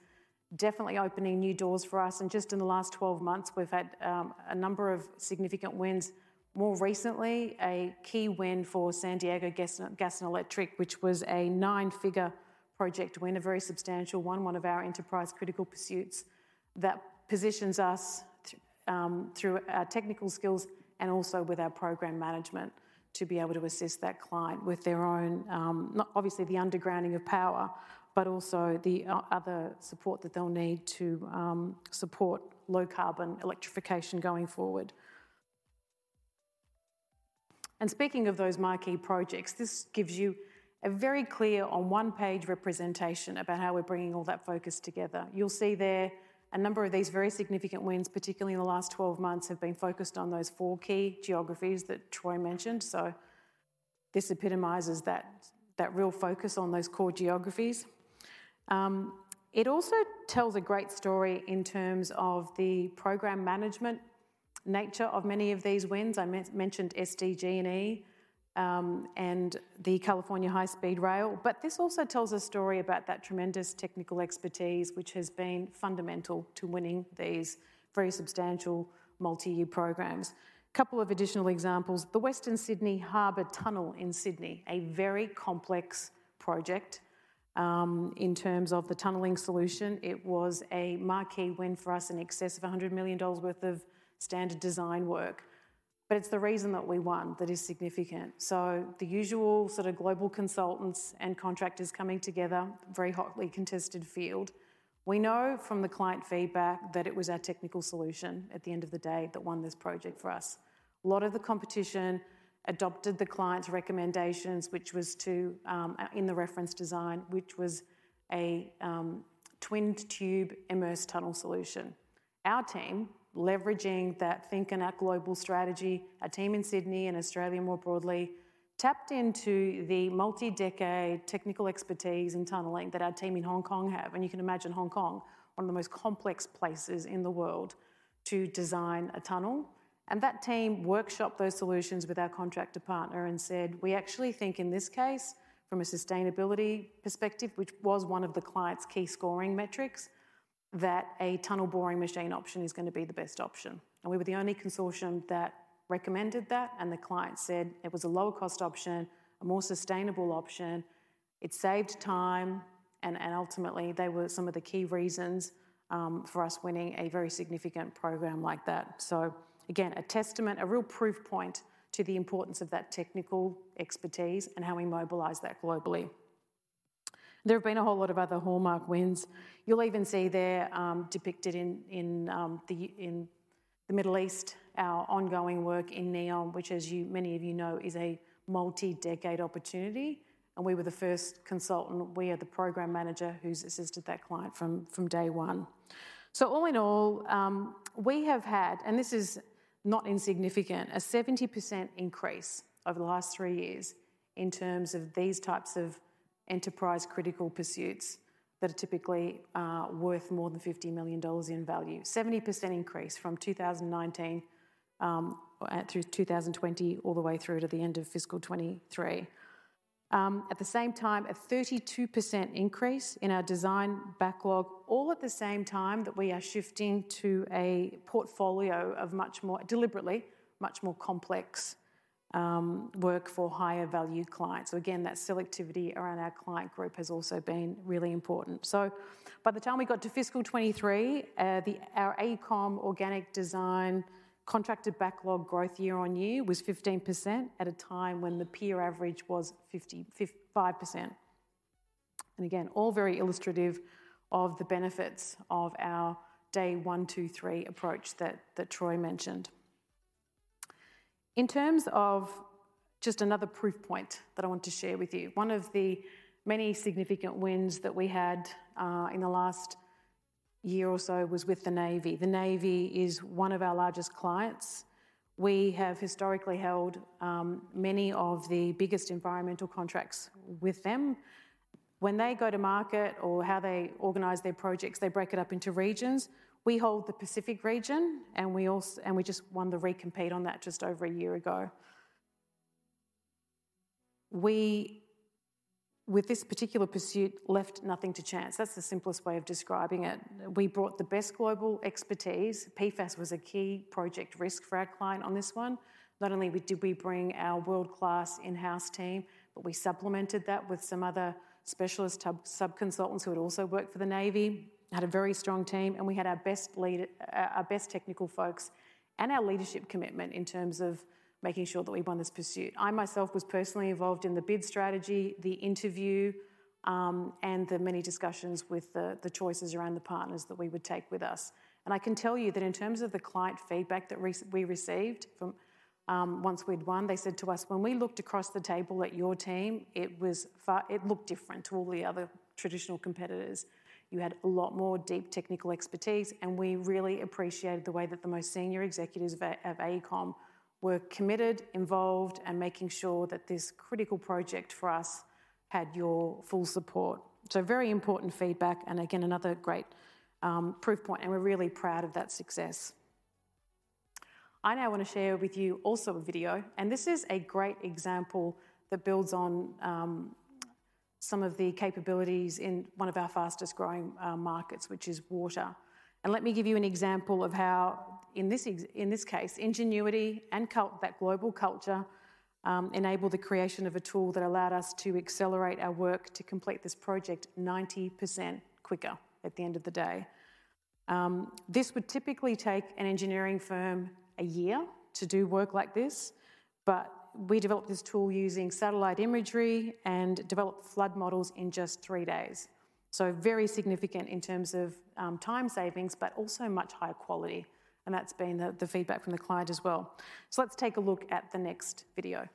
definitely opening new doors for us, and just in the last 12 months, we've had a number of significant wins-... More recently, a key win for San Diego Gas & Electric, which was a nine-figure project win, a very substantial one, one of our enterprise critical pursuits that positions us through our technical skills and also with our program management, to be able to assist that client with their own, not obviously the undergrounding of power, but also the other support that they'll need to support low carbon electrification going forward. And speaking of those marquee projects, this gives you a very clear, on one page representation about how we're bringing all that focus together. You'll see there a number of these very significant wins, particularly in the last 12 months, have been focused on those four key geographies that Troy mentioned. So this epitomizes that, that real focus on those core geographies. It also tells a great story in terms of the program management nature of many of these wins. I mentioned SDG&E, and the California High-Speed Rail. But this also tells a story about that tremendous technical expertise, which has been fundamental to winning these very substantial multi-year programs. Couple of additional examples: the Western Sydney Harbour Tunnel in Sydney, a very complex project, in terms of the tunneling solution. It was a marquee win for us, in excess of $100 million worth of standard design work. But it's the reason that we won that is significant. So the usual sort of global consultants and contractors coming together, very hotly contested field. We know from the client feedback that it was our technical solution at the end of the day, that won this project for us. A lot of the competition adopted the client's recommendations, which was to, in the reference design, which was a, twin-tube immersed tunnel solution. Our team, leveraging that Think and Act Globally strategy, our team in Sydney and Australia more broadly, tapped into the multi-decade technical expertise in tunneling that our team in Hong Kong have. You can imagine Hong Kong, one of the most complex places in the world to design a tunnel. That team workshopped those solutions with our contractor partner and said, "We actually think in this case, from a sustainability perspective," which was one of the client's key scoring metrics, "that a tunnel boring machine option is gonna be the best option." We were the only consortium that recommended that, and the client said it was a lower cost option, a more sustainable option. It saved time, and ultimately, they were some of the key reasons for us winning a very significant program like that. So again, a testament, a real proof point to the importance of that technical expertise and how we mobilize that globally. There have been a whole lot of other hallmark wins. You'll even see there depicted in the Middle East, our ongoing work in NEOM, which, as many of you know, is a multi-decade opportunity, and we were the first consultant. We are the program manager who's assisted that client from Day 1. So all in all, we have had, and this is not insignificant, a 70% increase over the last three years in terms of these types of enterprise critical pursuits that are typically worth more than $50 million in value. 70% increase from 2019, through 2020, all the way through to the end of fiscal 2023. At the same time, a 32% increase in our design backlog, all at the same time that we are shifting to a portfolio of much more... deliberately, much more complex, work for higher value clients. So again, that selectivity around our client group has also been really important. So by the time we got to fiscal 2023, the, our AECOM organic design contracted backlog growth year-on-year was 15%, at a time when the peer average was 5%. And again, all very illustrative of the benefits of our Day 1, 2, 3 approach that, that Troy mentioned. In terms of just another proof point that I want to share with you, one of the many significant wins that we had in the last year or so was with the Navy. The Navy is one of our largest clients. We have historically held many of the biggest environmental contracts with them. When they go to market or how they organize their projects, they break it up into regions. We hold the Pacific region, and we also-- and we just won the recompete on that just over a year ago. We, with this particular pursuit, left nothing to chance. That's the simplest way of describing it. We brought the best global expertise. PFAS was a key project risk for our client on this one. Not only did we bring our world-class in-house team, but we supplemented that with some other specialist sub-consultants who had also worked for the Navy, had a very strong team, and we had our best leader, our best technical folks and our leadership commitment in terms of making sure that we won this pursuit. I myself was personally involved in the bid strategy, the interview, and the many discussions with the choices around the partners that we would take with us. And I can tell you that in terms of the client feedback that we received from... once we'd won, they said to us: When we looked across the table at your team, it was it looked different to all the other traditional competitors. You had a lot more deep technical expertise, and we really appreciated the way that the most senior executives of AECOM were committed, involved, and making sure that this critical project for us had your full support. So very important feedback, and again, another great proof point, and we're really proud of that success. I now want to share with you also a video, and this is a great example that builds on some of the capabilities in one of our fastest growing markets, which is water. Let me give you an example of how in this case, ingenuity and that global culture enabled the creation of a tool that allowed us to accelerate our work to complete this project 90% quicker at the end of the day. This would typically take an engineering firm a year to do work like this, but we developed this tool using satellite imagery and developed flood models in just 3 days. Very significant in terms of time savings, but also much higher quality, and that's been the feedback from the client as well. So let's take a look at the next video.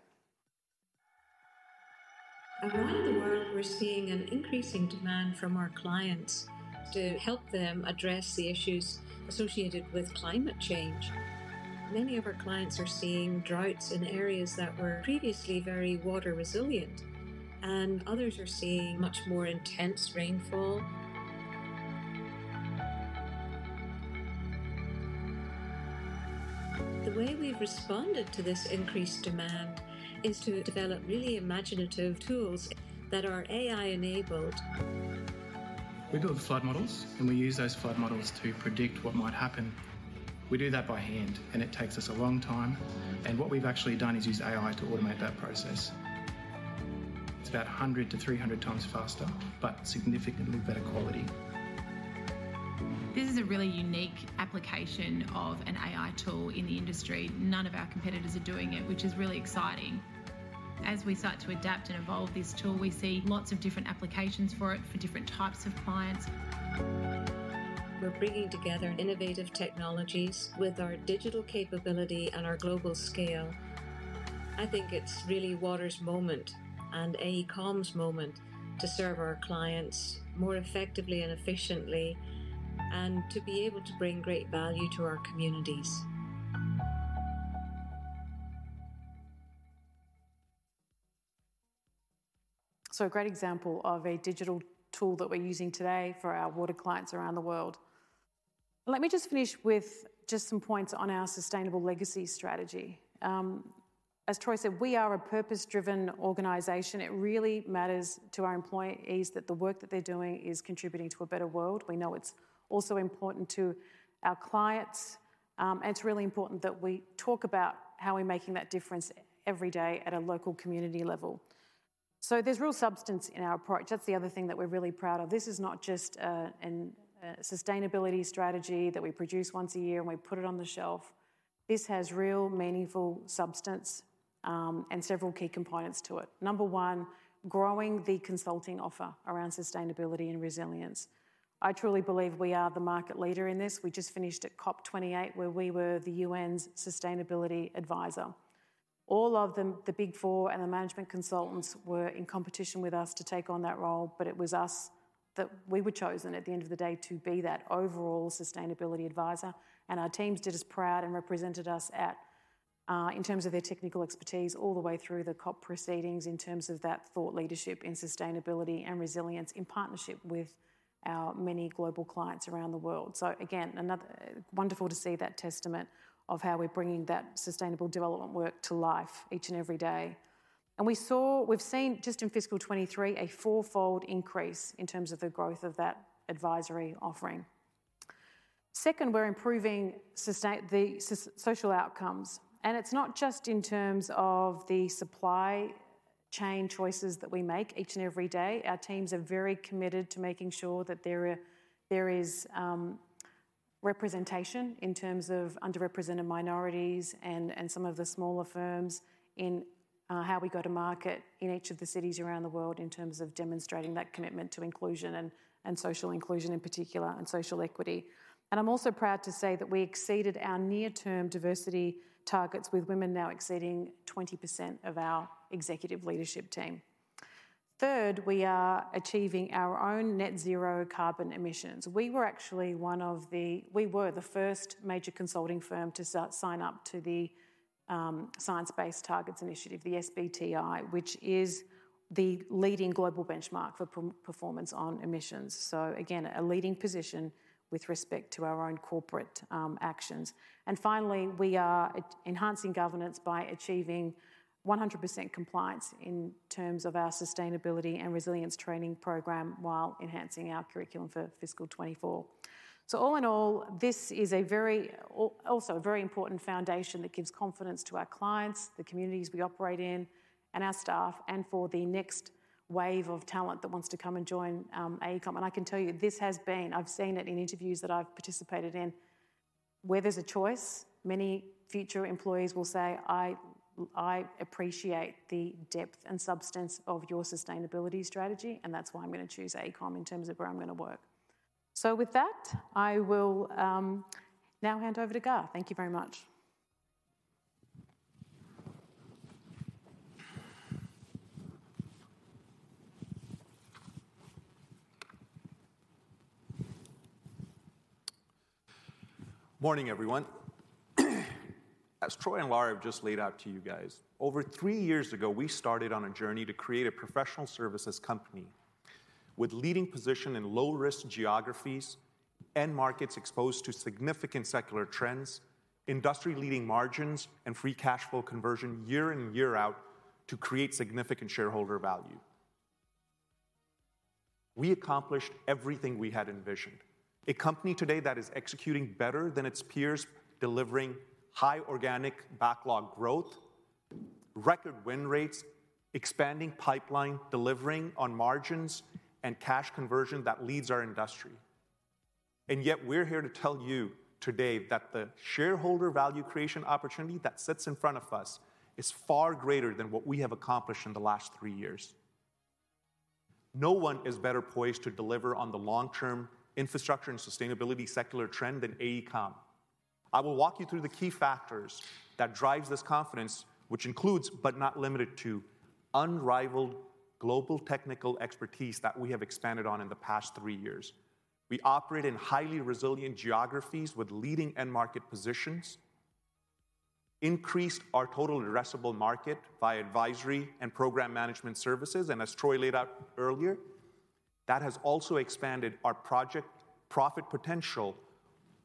Around the world, we're seeing an increasing demand from our clients to help them address the issues associated with climate change. Many of our clients are seeing droughts in areas that were previously very water resilient, and others are seeing much more intense rainfall. The way we've responded to this increased demand is to develop really imaginative tools that are AI-enabled. We build flood models, and we use those flood models to predict what might happen. We do that by hand, and it takes us a long time, and what we've actually done is use AI to automate that process. It's about 100-300 times faster, but significantly better quality. This is a really unique application of an AI tool in the industry. None of our competitors are doing it, which is really exciting. As we start to adapt and evolve this tool, we see lots of different applications for it, for different types of clients. We're bringing together innovative technologies with our digital capability and our global scale. I think it's really water's moment and AECOM's moment to serve our clients more effectively and efficiently, and to be able to bring great value to our communities. So a great example of a digital tool that we're using today for our water clients around the world. Let me just finish with just some points on our sustainable legacy strategy. As Troy said, we are a purpose-driven organization. It really matters to our employees that the work that they're doing is contributing to a better world. We know it's also important to our clients, and it's really important that we talk about how we're making that difference every day at a local community level. So there's real substance in our approach. That's the other thing that we're really proud of. This is not just a sustainability strategy that we produce once a year, and we put it on the shelf. This has real, meaningful substance, and several key components to it. Number one, growing the consulting offer around sustainability and resilience. I truly believe we are the market leader in this. We just finished at COP28, where we were the UN's sustainability advisor. All of them, the Big Four and the management consultants, were in competition with us to take on that role, but it was us. We were chosen at the end of the day, to be that overall sustainability advisor, and our teams did us proud and represented us at, in terms of their technical expertise, all the way through the COP proceedings, in terms of that thought leadership in sustainability and resilience in partnership with our many global clients around the world. So again, another wonderful to see that testament of how we're bringing that sustainable development work to life each and every day. And we've seen just in fiscal 2023, a fourfold increase in terms of the growth of that advisory offering. Second, we're improving sustainable social outcomes, and it's not just in terms of the supply chain choices that we make each and every day. Our teams are very committed to making sure that there are, there is, representation in terms of underrepresented minorities and, and some of the smaller firms in how we go to market in each of the cities around the world in terms of demonstrating that commitment to inclusion and, and social inclusion in particular, and social equity. And I'm also proud to say that we exceeded our near-term diversity targets, with women now exceeding 20% of our executive leadership team. Third, we are achieving our own net zero carbon emissions. We were actually one of the... We were the first major consulting firm to sign up to the Science Based Targets initiative, the SBTi, which is the leading global benchmark for performance on emissions. So again, a leading position with respect to our own corporate actions. And finally, we are enhancing governance by achieving 100% compliance in terms of our sustainability and resilience training program, while enhancing our curriculum for fiscal 2024. So all in all, this is a very also a very important foundation that gives confidence to our clients, the communities we operate in, and our staff, and for the next wave of talent that wants to come and join AECOM. And I can tell you, this has been... I've seen it in interviews that I've participated in. Where there's a choice, many future employees will say, "I, I appreciate the depth and substance of your sustainability strategy, and that's why I'm going to choose AECOM in terms of where I'm going to work." So with that, I will now hand over to Gaurav. Thank you very much. Morning, everyone. As Troy and Lara have just laid out to you guys, over three years ago, we started on a journey to create a professional services company. ... with leading position in low-risk geographies, end markets exposed to significant secular trends, industry-leading margins, and free cash flow conversion year in and year out to create significant shareholder value. We accomplished everything we had envisioned. A company today that is executing better than its peers, delivering high organic backlog growth, record win rates, expanding pipeline, delivering on margins, and cash conversion that leads our industry. And yet we're here to tell you today that the shareholder value creation opportunity that sits in front of us is far greater than what we have accomplished in the last three years. No one is better poised to deliver on the long-term infrastructure and sustainability secular trend than AECOM. I will walk you through the key factors that drives this confidence, which includes, but not limited to, unrivaled global technical expertise that we have expanded on in the past three years. We operate in highly resilient geographies with leading end market positions, increased our total addressable market by advisory and program management services, and as Troy laid out earlier, that has also expanded our project profit potential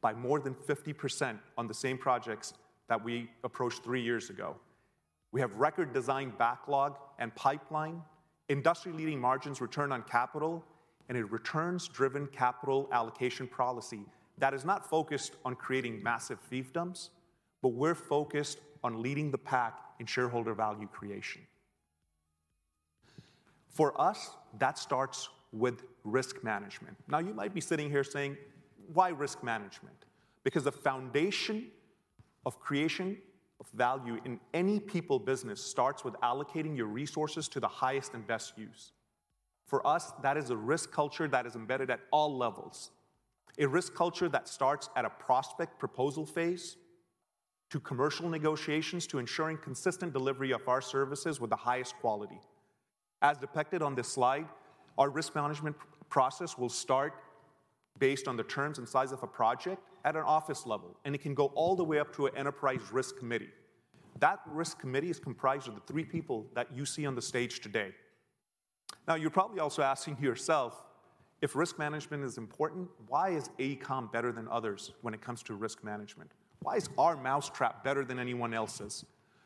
by more than 50% on the same projects that we approached 3 years ago. We have record design backlog and pipeline, industry-leading margins return on capital, and a returns-driven capital allocation policy that is not focused on creating massive fiefdoms, but we're focused on leading the pack in shareholder value creation. For us, that starts with risk management. Now, you might be sitting here saying: Why risk management? Because the foundation of creation of value in any people business starts with allocating your resources to the highest and best use. For us, that is a risk culture that is embedded at all levels. A risk culture that starts at a prospect proposal phase, to commercial negotiations, to ensuring consistent delivery of our services with the highest quality. As depicted on this slide, our risk management process will start based on the terms and size of a project at an office level, and it can go all the way up to an enterprise risk committee. That risk committee is comprised of the three people that you see on the stage today. Now, you're probably also asking yourself: If risk management is important, why is AECOM better than others when it comes to risk management? Why is our mousetrap better than anyone else's?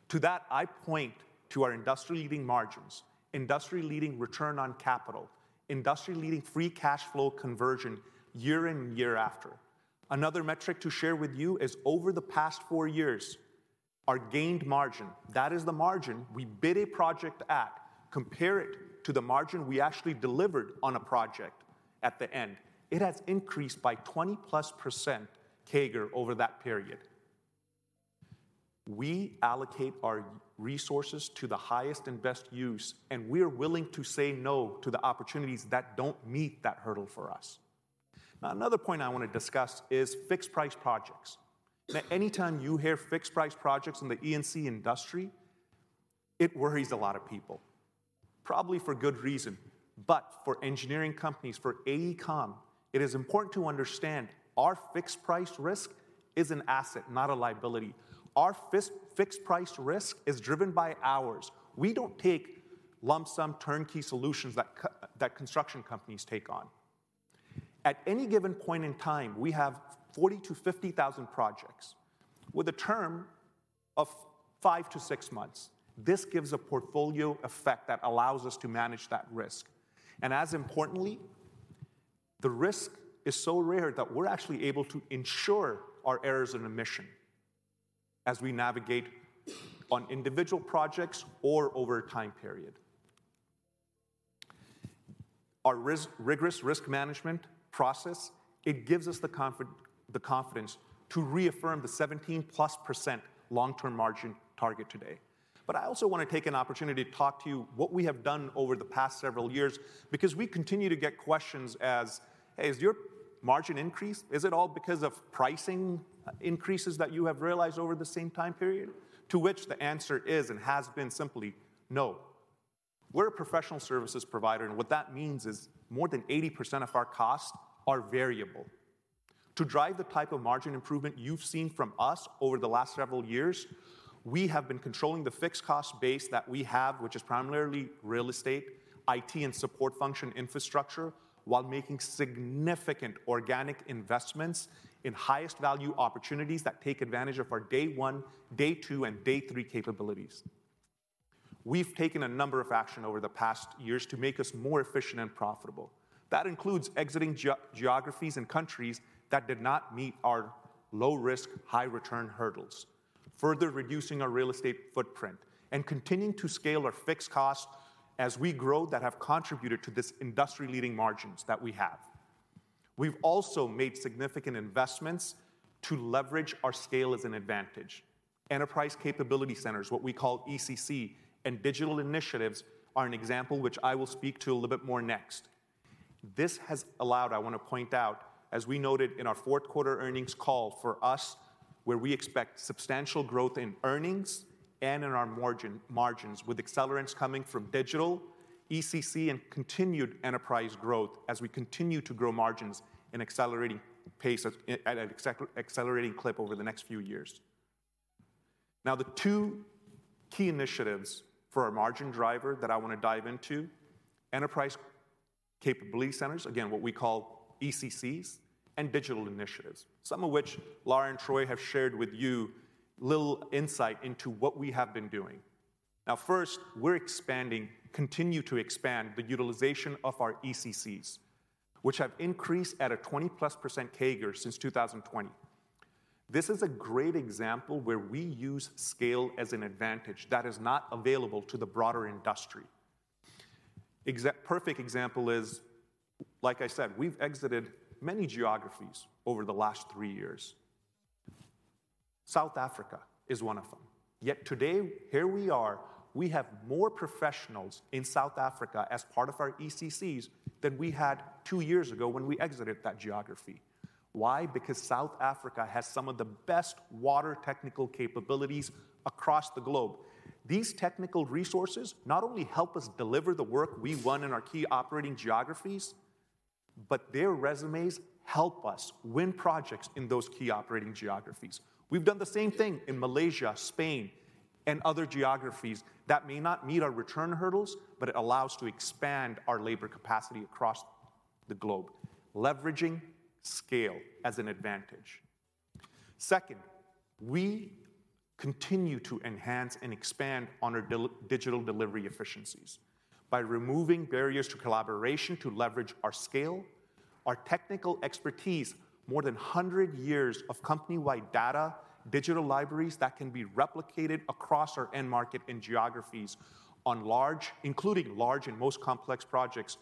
To that, I point to our industry-leading margins, industry-leading return on capital, industry-leading free cash flow conversion year in, year after. Another metric to share with you is, over the past four years, our gained margin, that is the margin we bid a project at, compare it to the margin we actually delivered on a project at the end. It has increased by 20-plus% CAGR over that period. We allocate our resources to the highest and best use, and we are willing to say no to the opportunities that don't meet that hurdle for us. Now, another point I want to discuss is fixed-price projects. Now, anytime you hear fixed-price projects in the E&C industry, it worries a lot of people, probably for good reason. But for engineering companies, for AECOM, it is important to understand our fixed-price risk is an asset, not a liability. Our fixed-price risk is driven by hours. We don't take lump sum turnkey solutions that that construction companies take on. At any given point in time, we have 40-50,000 projects with a term of 5-6 months. This gives a portfolio effect that allows us to manage that risk, and as importantly, the risk is so rare that we're actually able to insure our errors and omissions as we navigate on individual projects or over a time period. Our rigorous risk management process gives us the confidence to reaffirm the 17%+ long-term margin target today. But I also want to take an opportunity to talk to you what we have done over the past several years, because we continue to get questions as: "Hey, is your margin increase, is it all because of pricing increases that you have realized over the same time period?" To which the answer is, and has been, simply no. We're a professional services provider, and what that means is more than 80% of our costs are variable. To drive the type of margin improvement you've seen from us over the last several years, we have been controlling the fixed cost base that we have, which is primarily real estate, IT, and support function infrastructure, while making significant organic investments in highest value opportunities that take advantage of our Day 1, Day 2, and Day 3 capabilities. We've taken a number of actions over the past years to make us more efficient and profitable. That includes exiting geographies and countries that did not meet our low-risk, high-return hurdles, further reducing our real estate footprint, and continuing to scale our fixed costs as we grow, that have contributed to this industry-leading margins that we have. We've also made significant investments to leverage our scale as an advantage. Enterprise Capability Centers, what we call ECC, and digital initiatives are an example, which I will speak to a little bit more next. This has allowed, I want to point out, as we noted in our fourth quarter earnings call for us, where we expect substantial growth in earnings and in our margins, with accelerants coming from digital, ECC, and continued enterprise growth as we continue to grow margins in accelerating pace, at an accelerating clip over the next few years. Now, the two key initiatives for our margin driver that I want to dive into, Enterprise Capability Centers, again, what we call ECCs, and digital initiatives, some of which Lara and Troy have shared with you a little insight into what we have been doing. Now, first, we continue to expand the utilization of our ECCs, which have increased at a 20+% CAGR since 2020. This is a great example where we use scale as an advantage that is not available to the broader industry. Perfect example is, like I said, we've exited many geographies over the last three years. South Africa is one of them. Yet today, here we are, we have more professionals in South Africa as part of our ECCs than we had two years ago when we exited that geography. Why? Because South Africa has some of the best water technical capabilities across the globe. These technical resources not only help us deliver the work we won in our key operating geographies, but their resumes help us win projects in those key operating geographies. We've done the same thing in Malaysia, Spain, and other geographies that may not meet our return hurdles, but it allows to expand our labor capacity across the globe, leveraging scale as an advantage. Second, we continue to enhance and expand on our digital delivery efficiencies by removing barriers to collaboration to leverage our scale, our technical expertise, more than 100 years of company-wide data, digital libraries that can be replicated across our end market and geographies on large, including large and most complex projects,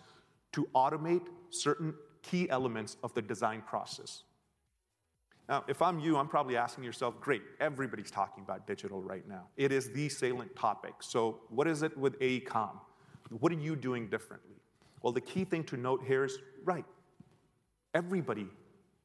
to automate certain key elements of the design process. Now, if I'm you, I'm probably asking yourself: Great, everybody's talking about digital right now. It is the salient topic. So what is it with AECOM? What are you doing differently? Well, the key thing to note here is, right, everybody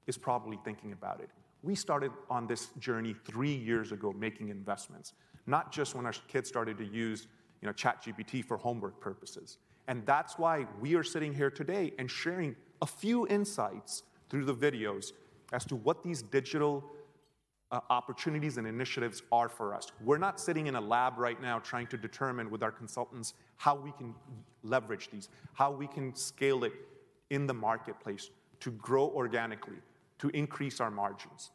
is probably thinking about it. We started on this journey three years ago, making investments, not just when our kids started to use, you know, ChatGPT for homework purposes. That's why we are sitting here today and sharing a few insights through the videos as to what these digital opportunities and initiatives are for us. We're not sitting in a lab right now trying to determine with our consultants how we can leverage these, how we can scale it in the marketplace to grow organically, to increase our margins.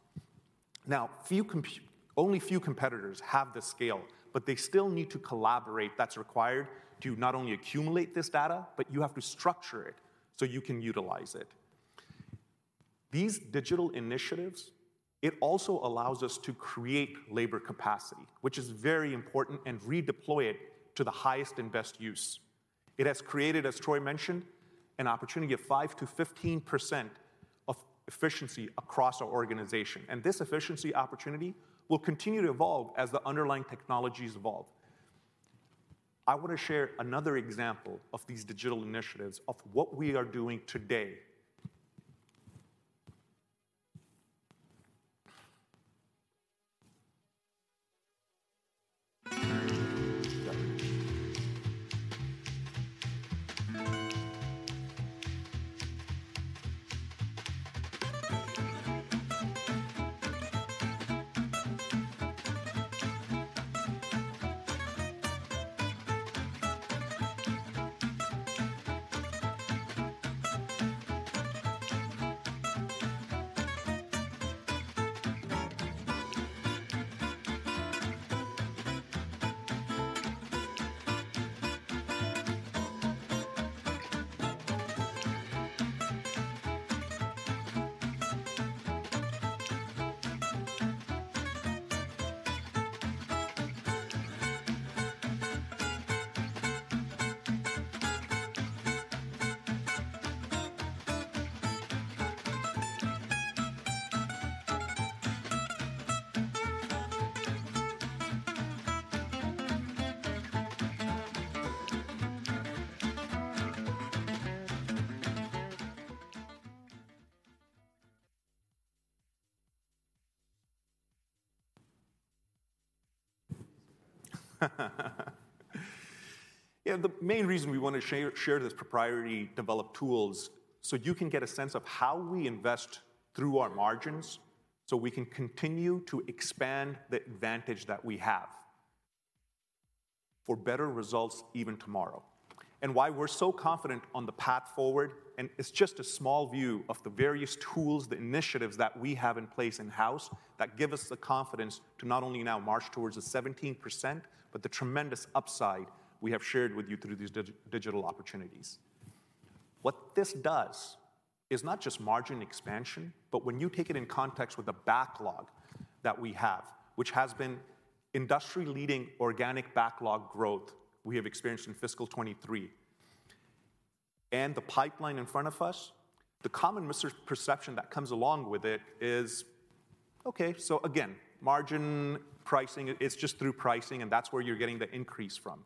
Now, only few competitors have the scale, but they still need to collaborate. That's required to not only accumulate this data, but you have to structure it so you can utilize it. These digital initiatives, it also allows us to create labor capacity, which is very important, and redeploy it to the highest and best use. It has created, as Troy mentioned, an opportunity of 5%-15% efficiency across our organization, and this efficiency opportunity will continue to evolve as the underlying technologies evolve. I want to share another example of these digital initiatives, of what we are doing today. Yeah, the main reason we want to share this proprietary developed tools, so you can get a sense of how we invest through our margins, so we can continue to expand the advantage that we have for better results even tomorrow. And why we're so confident on the path forward, and it's just a small view of the various tools, the initiatives that we have in place in-house that give us the confidence to not only now march towards the 17%, but the tremendous upside we have shared with you through these digital opportunities. What this does is not just margin expansion, but when you take it in context with the backlog that we have, which has been industry-leading organic backlog growth we have experienced in fiscal 2023, and the pipeline in front of us, the common misperception that comes along with it is, okay, so again, margin pricing, it's just through pricing, and that's where you're getting the increase from.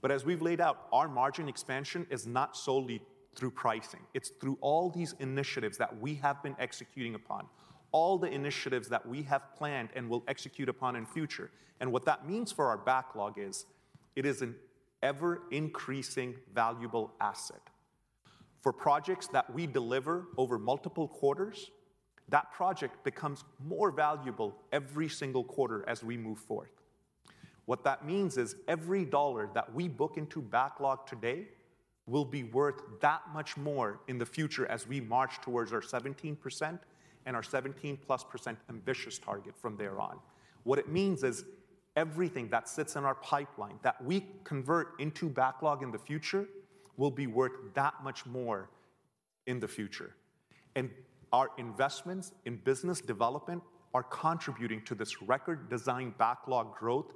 But as we've laid out, our margin expansion is not solely through pricing. It's through all these initiatives that we have been executing upon, all the initiatives that we have planned and will execute upon in future. And what that means for our backlog is, it is an ever-increasing, valuable asset.... for projects that we deliver over multiple quarters, that project becomes more valuable every single quarter as we move forward. What that means is, every dollar that we book into backlog today will be worth that much more in the future as we march towards our 17% and our 17%+ ambitious target from thereon. What it means is, everything that sits in our pipeline that we convert into backlog in the future, will be worth that much more in the future. And our investments in business development are contributing to this record design backlog growth,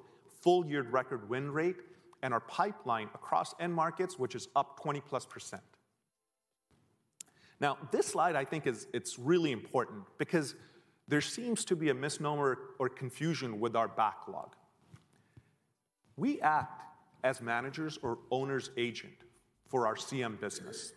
full-year record win rate, and our pipeline across end markets, which is up 20%+. Now, this slide, I think, is, it's really important because there seems to be a misnomer or confusion with our backlog. We act as managers or owner's agent for our CM business.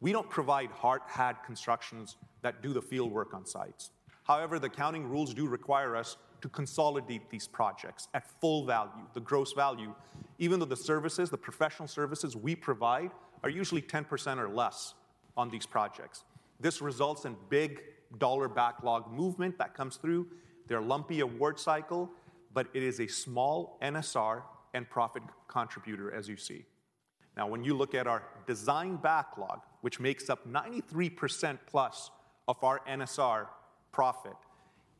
We don't provide hard hat constructions that do the field work on sites. However, the accounting rules do require us to consolidate these projects at full value, the gross value, even though the services, the professional services we provide, are usually 10% or less on these projects. This results in big dollar backlog movement that comes through their lumpy award cycle, but it is a small NSR and profit contributor, as you see. Now, when you look at our design backlog, which makes up 93%+ of our NSR profit,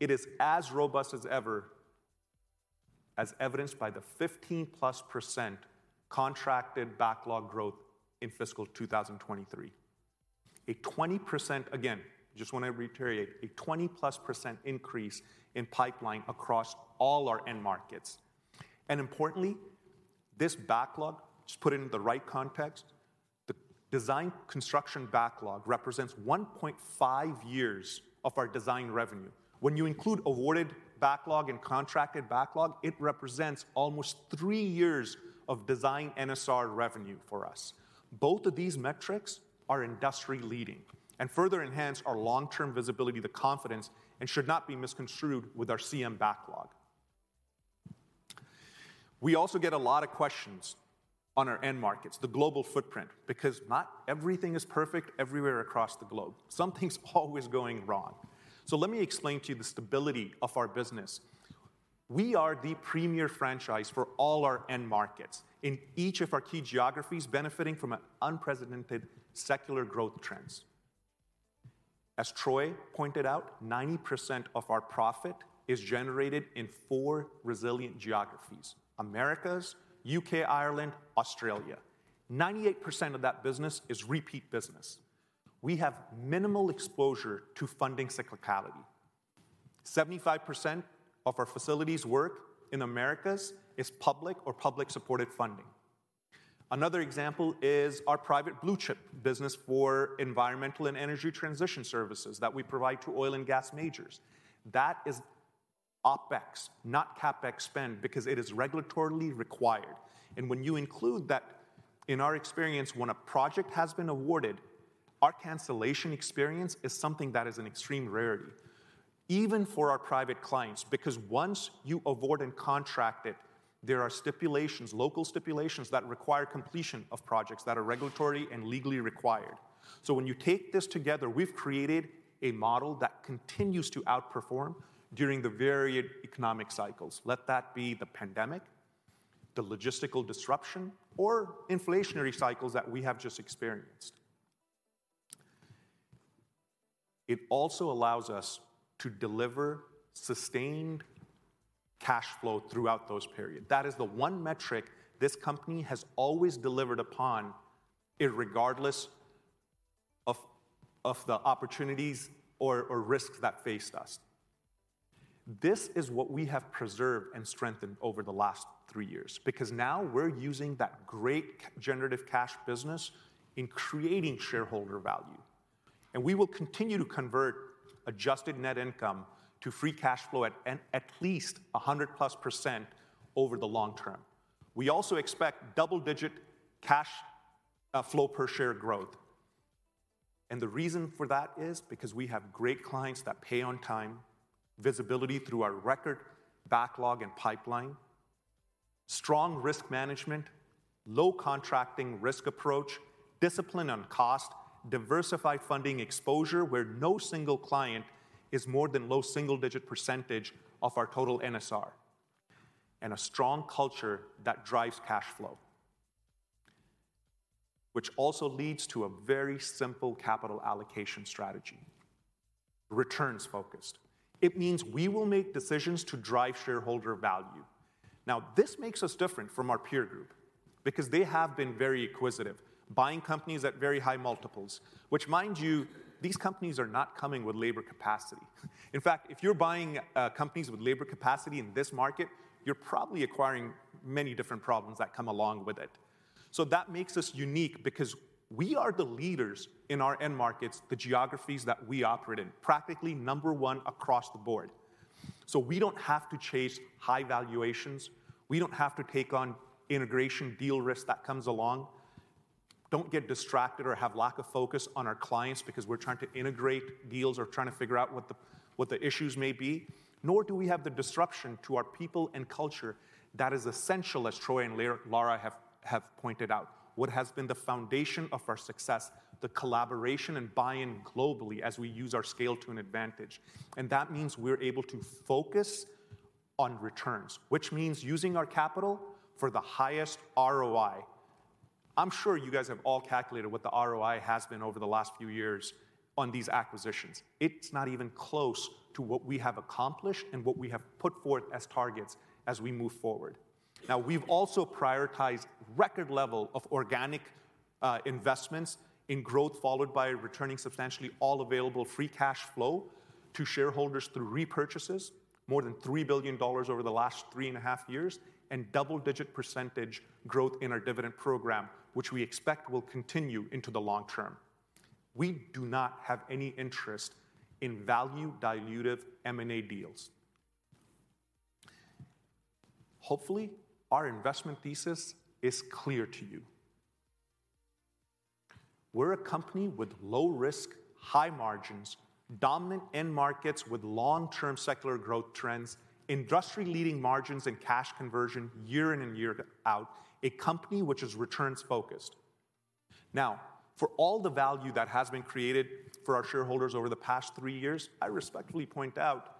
it is as robust as ever, as evidenced by the 15%+ contracted backlog growth in fiscal 2023. A 20%-- Again, just want to reiterate, a 20%+ increase in pipeline across all our end markets. And importantly, this backlog, just put it in the right context, the design construction backlog represents 1.5 years of our design revenue. When you include awarded backlog and contracted backlog, it represents almost 3 years of design NSR revenue for us. Both of these metrics are industry-leading and further enhance our long-term visibility, the confidence, and should not be misconstrued with our CM backlog. We also get a lot of questions on our end markets, the global footprint, because not everything is perfect everywhere across the globe. Something's always going wrong. So let me explain to you the stability of our business. We are the premier franchise for all our end markets, in each of our key geographies benefiting from an unprecedented secular growth trends. As Troy pointed out, 90% of our profit is generated in 4 resilient geographies: Americas, UK/Ireland, Australia. 98% of that business is repeat business. We have minimal exposure to funding cyclicality. 75% of our facilities work in Americas is public or public-supported funding. Another example is our private blue-chip business for environmental and energy transition services that we provide to oil and gas majors. That is OpEx, not CapEx spend, because it is regulatorily required. And when you include that, in our experience, when a project has been awarded, our cancellation experience is something that is an extreme rarity, even for our private clients, because once you award and contract it, there are stipulations, local stipulations, that require completion of projects that are regulatory and legally required. So when you take this together, we've created a model that continues to outperform during the varied economic cycles, let that be the pandemic, the logistical disruption, or inflationary cycles that we have just experienced. It also allows us to deliver sustained cash flow throughout those periods. That is the one metric this company has always delivered upon, irregardless of the opportunities or risks that faced us. This is what we have preserved and strengthened over the last three years, because now we're using that great generative cash business in creating shareholder value, and we will continue to convert adjusted net income to free cash flow at least 100+% over the long term. We also expect double-digit cash flow per share growth. And the reason for that is because we have great clients that pay on time, visibility through our record backlog and pipeline, strong risk management, low contracting risk approach, discipline on cost, diversified funding exposure, where no single client is more than low single-digit % of our total NSR, and a strong culture that drives cash flow, which also leads to a very simple capital allocation strategy: returns-focused. It means we will make decisions to drive shareholder value. Now, this makes us different from our peer group, because they have been very acquisitive, buying companies at very high multiples, which, mind you, these companies are not coming with labor capacity. In fact, if you're buying companies with labor capacity in this market, you're probably acquiring many different problems that come along with it. So that makes us unique because we are the leaders in our end markets, the geographies that we operate in, practically number one across the board.... So we don't have to chase high valuations, we don't have to take on integration deal risk that comes along, don't get distracted or have lack of focus on our clients because we're trying to integrate deals or trying to figure out what the, what the issues may be. Nor do we have the disruption to our people and culture that is essential, as Troy and Lara have pointed out, what has been the foundation of our success, the collaboration and buy-in globally as we use our scale to an advantage. And that means we're able to focus on returns, which means using our capital for the highest ROI. I'm sure you guys have all calculated what the ROI has been over the last few years on these acquisitions. It's not even close to what we have accomplished and what we have put forth as targets as we move forward. Now, we've also prioritized record level of organic investments in growth, followed by returning substantially all available free cash flow to shareholders through repurchases, more than $3 billion over the last 3.5 years, and double-digit percentage growth in our dividend program, which we expect will continue into the long term. We do not have any interest in value-dilutive M&A deals. Hopefully, our investment thesis is clear to you. We're a company with low risk, high margins, dominant end markets with long-term secular growth trends, industry-leading margins and cash conversion year in and year out, a company which is returns-focused. Now, for all the value that has been created for our shareholders over the past three years, I respectfully point out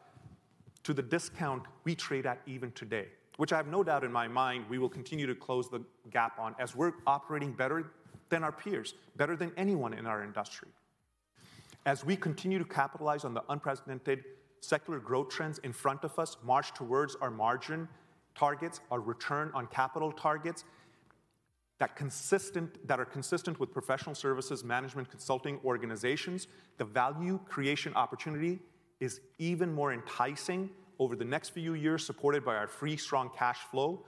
to the discount we trade at even today, which I have no doubt in my mind we will continue to close the gap on as we're operating better than our peers, better than anyone in our industry. As we continue to capitalize on the unprecedented secular growth trends in front of us, march towards our margin targets, our return on capital targets, that are consistent with professional services, management, consulting organizations, the value creation opportunity is even more enticing over the next few years, supported by our free, strong cash flow,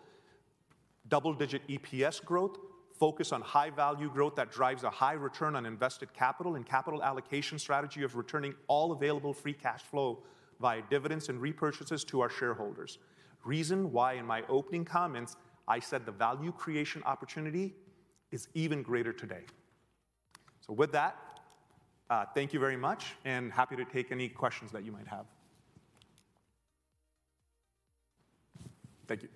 double-digit EPS growth, focus on high-value growth that drives a high return on invested capital and capital allocation strategy of returning all available free cash flow via dividends and repurchases to our shareholders. Reason why, in my opening comments, I said the value creation opportunity is even greater today. So with that, thank you very much, and happy to take any questions that you might have. Thank you.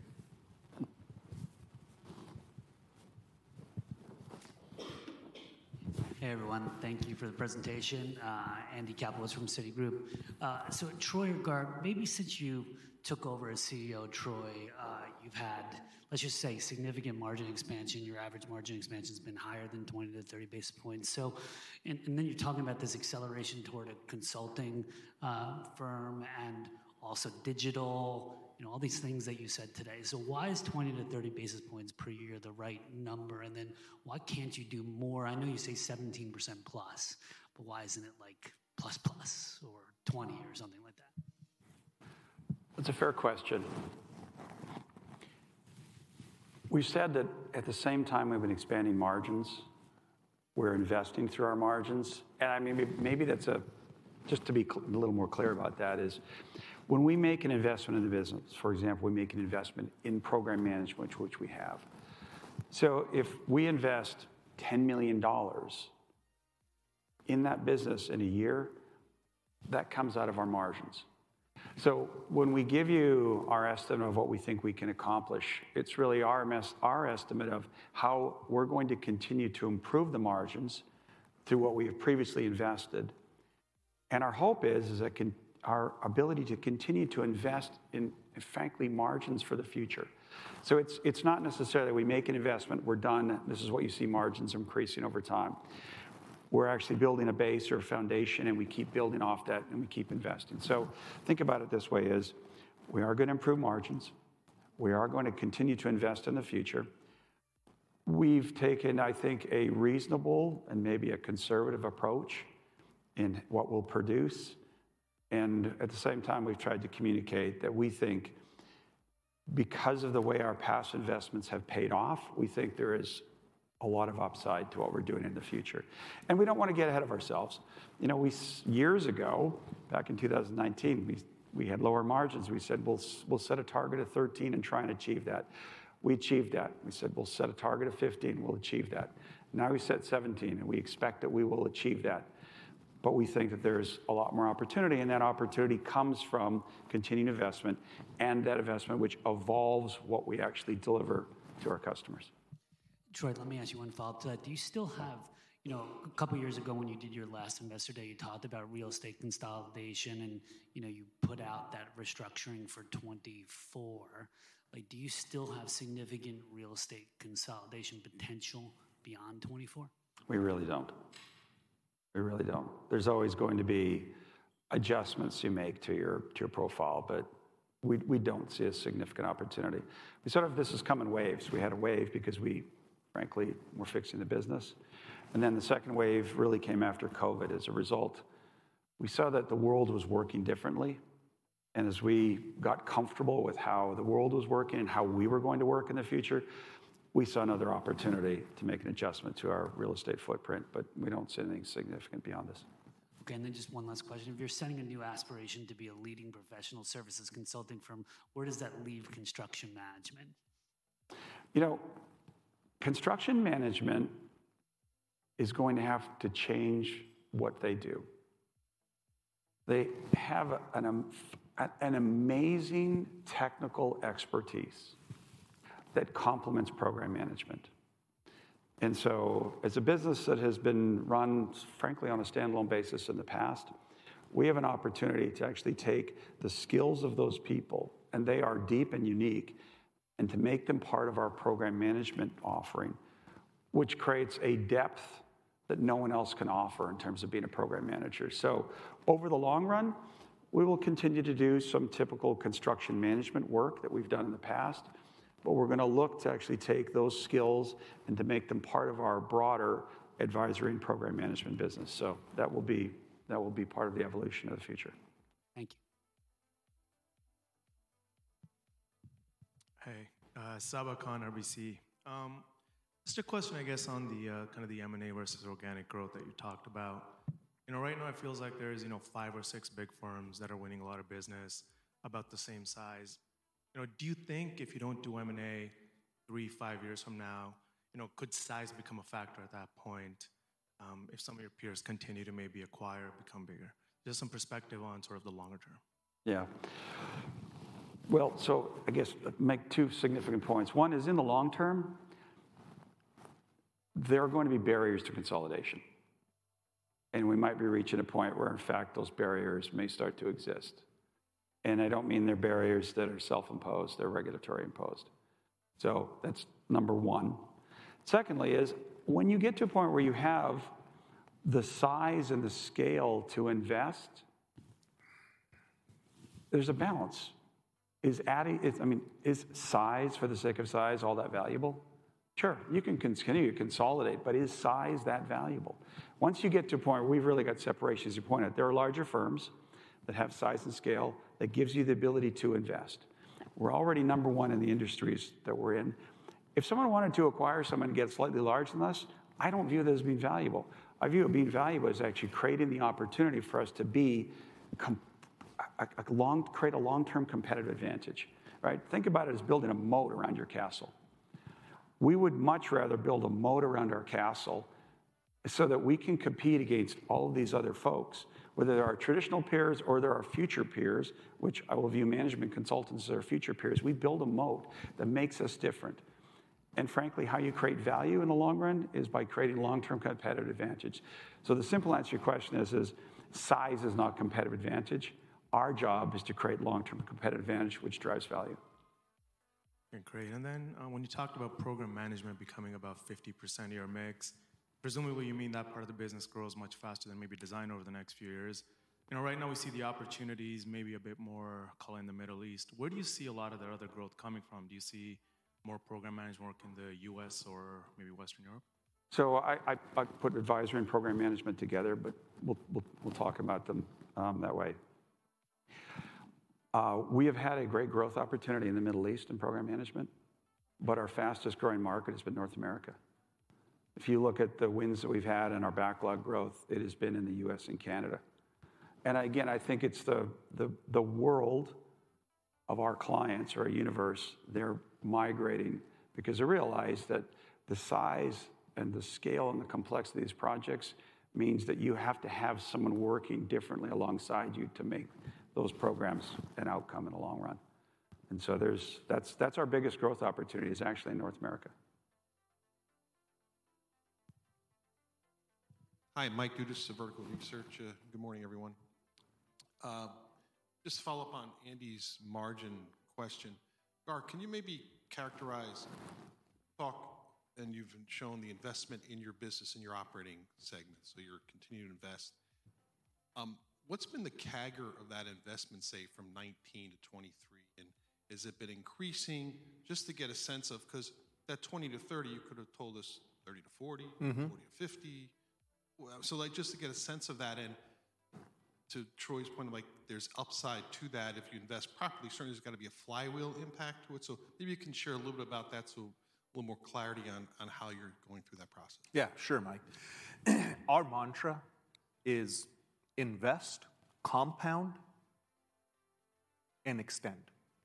Hey, everyone. Thank you for the presentation. Andy Kaplowitz from Citigroup. So Troy or Gaurav, maybe since you took over as CEO, Troy, you've had, let's just say, significant margin expansion. Your average margin expansion's been higher than 20-30 basis points. So, and, and then you're talking about this acceleration toward a consulting firm and also digital, you know, all these things that you said today. So why is 20-30 basis points per year the right number? And then why can't you do more? I know you say 17%+, but why isn't it like plus plus or 20 or something like that? That's a fair question. We've said that at the same time we've been expanding margins, we're investing through our margins. And I mean, maybe that's a just to be a little more clear about that, is when we make an investment in the business, for example, we make an investment in program management, which we have. So if we invest $10 million in that business in a year, that comes out of our margins. So when we give you our estimate of what we think we can accomplish, it's really our estimate of how we're going to continue to improve the margins through what we have previously invested. And our hope is our ability to continue to invest in, frankly, margins for the future. So it's not necessarily we make an investment, we're done, this is what you see margins increasing over time. We're actually building a base or foundation, and we keep building off that, and we keep investing. So think about it this way, is we are gonna improve margins. We are going to continue to invest in the future. We've taken, I think, a reasonable and maybe a conservative approach in what we'll produce, and at the same time, we've tried to communicate that we think because of the way our past investments have paid off, we think there is a lot of upside to what we're doing in the future. And we don't want to get ahead of ourselves. You know, years ago, back in 2019, we had lower margins. We said, "We'll set a target of 13 and try and achieve that." We achieved that. We said, "We'll set a target of 15," we'll achieve that. Now we set 17, and we expect that we will achieve that. But we think that there's a lot more opportunity, and that opportunity comes from continued investment and that investment which evolves what we actually deliver to our customers. Troy, let me ask you one follow-up to that. Do you still have... You know, a couple of years ago, when you did your last Investor Day, you talked about real estate consolidation, and, you know, you put out that restructuring for 2024. Like, do you still have significant real estate consolidation potential beyond 2024? We really don't. We really don't. There's always going to be adjustments you make to your, to your profile, but we, we don't see a significant opportunity. We sort of. This has come in waves. We had a wave because we, frankly, were fixing the business, and then the second wave really came after COVID as a result. We saw that the world was working differently, and as we got comfortable with how the world was working and how we were going to work in the future... We saw another opportunity to make an adjustment to our real estate footprint, but we don't see anything significant beyond this. Okay, just one last question. If you're setting a new aspiration to be a leading professional services consulting firm, where does that leave construction management? You know, construction management is going to have to change what they do. They have an amazing technical expertise that complements program management. And so as a business that has been run, frankly, on a standalone basis in the past, we have an opportunity to actually take the skills of those people, and they are deep and unique, and to make them part of our program management offering, which creates a depth that no one else can offer in terms of being a program manager. So over the long run, we will continue to do some typical construction management work that we've done in the past, but we're gonna look to actually take those skills and to make them part of our broader advisory and program management business. So that will be, that will be part of the evolution of the future. Thank you. Hey, Sabahat Khan, RBC. Just a question, I guess, on the kind of the M&A versus organic growth that you talked about. You know, right now it feels like there is, you know, five or six big firms that are winning a lot of business about the same size. You know, do you think if you don't do M&A three, five years from now, you know, could size become a factor at that point, if some of your peers continue to maybe acquire or become bigger? Just some perspective on sort of the longer term. Yeah. Well, so I guess make two significant points. One is, in the long term, there are going to be barriers to consolidation, and we might be reaching a point where, in fact, those barriers may start to exist. And I don't mean they're barriers that are self-imposed; they're regulatory imposed. So that's number one. Secondly is when you get to a point where you have the size and the scale to invest, there's a balance. Is adding... Is, I mean, is size for the sake of size all that valuable? Sure, you can continue to consolidate, but is size that valuable? Once you get to a point, we've really got separations. You pointed out there are larger firms that have size and scale that gives you the ability to invest. We're already number one in the industries that we're in. If someone wanted to acquire someone and get slightly larger than us, I don't view that as being valuable. I view it being valuable as actually creating the opportunity for us to create a long-term competitive advantage, right? Think about it as building a moat around your castle. We would much rather build a moat around our castle so that we can compete against all these other folks, whether they're our traditional peers or they're our future peers, which I will view management consultants as our future peers. We build a moat that makes us different. And frankly, how you create value in the long run is by creating long-term competitive advantage. So the simple answer to your question is, size is not competitive advantage. Our job is to create long-term competitive advantage, which drives value. Okay, great. Then, when you talked about program management becoming about 50% of your mix, presumably you mean that part of the business grows much faster than maybe design over the next few years. You know, right now we see the opportunities maybe a bit more in the Middle East. Where do you see a lot of the other growth coming from? Do you see more program management work in the U.S. or maybe Western Europe? So I put advisory and program management together, but we'll talk about them that way. We have had a great growth opportunity in the Middle East in program management, but our fastest growing market has been North America. If you look at the wins that we've had and our backlog growth, it has been in the U.S. and Canada. And again, I think it's the world of our clients or our universe; they're migrating because they realize that the size and the scale and the complexity of these projects means that you have to have someone working differently alongside you to make those programs an outcome in the long run. And so there's, that's our biggest growth opportunity is actually in North America. Hi, Mike Dudas of Vertical Research. Good morning, everyone. Just to follow up on Andy's margin question. Gaurav, can you maybe characterize... Talk, and you've shown the investment in your business and your operating segment, so you're continuing to invest. What's been the CAGR of that investment, say, from 2019 to 2023, and has it been increasing? Just to get a sense of—because that 20-30, you could have told us 30-40- Mm-hmm. - 40-50. Well, so, like, just to get a sense of that and to Troy's point, like, there's upside to that if you invest properly. Certainly, there's got to be a flywheel impact to it. So maybe you can share a little bit about that, so a little more clarity on, on how you're going through that process. Yeah, sure, Mike. Our mantra is Invest, Compound, and Extend.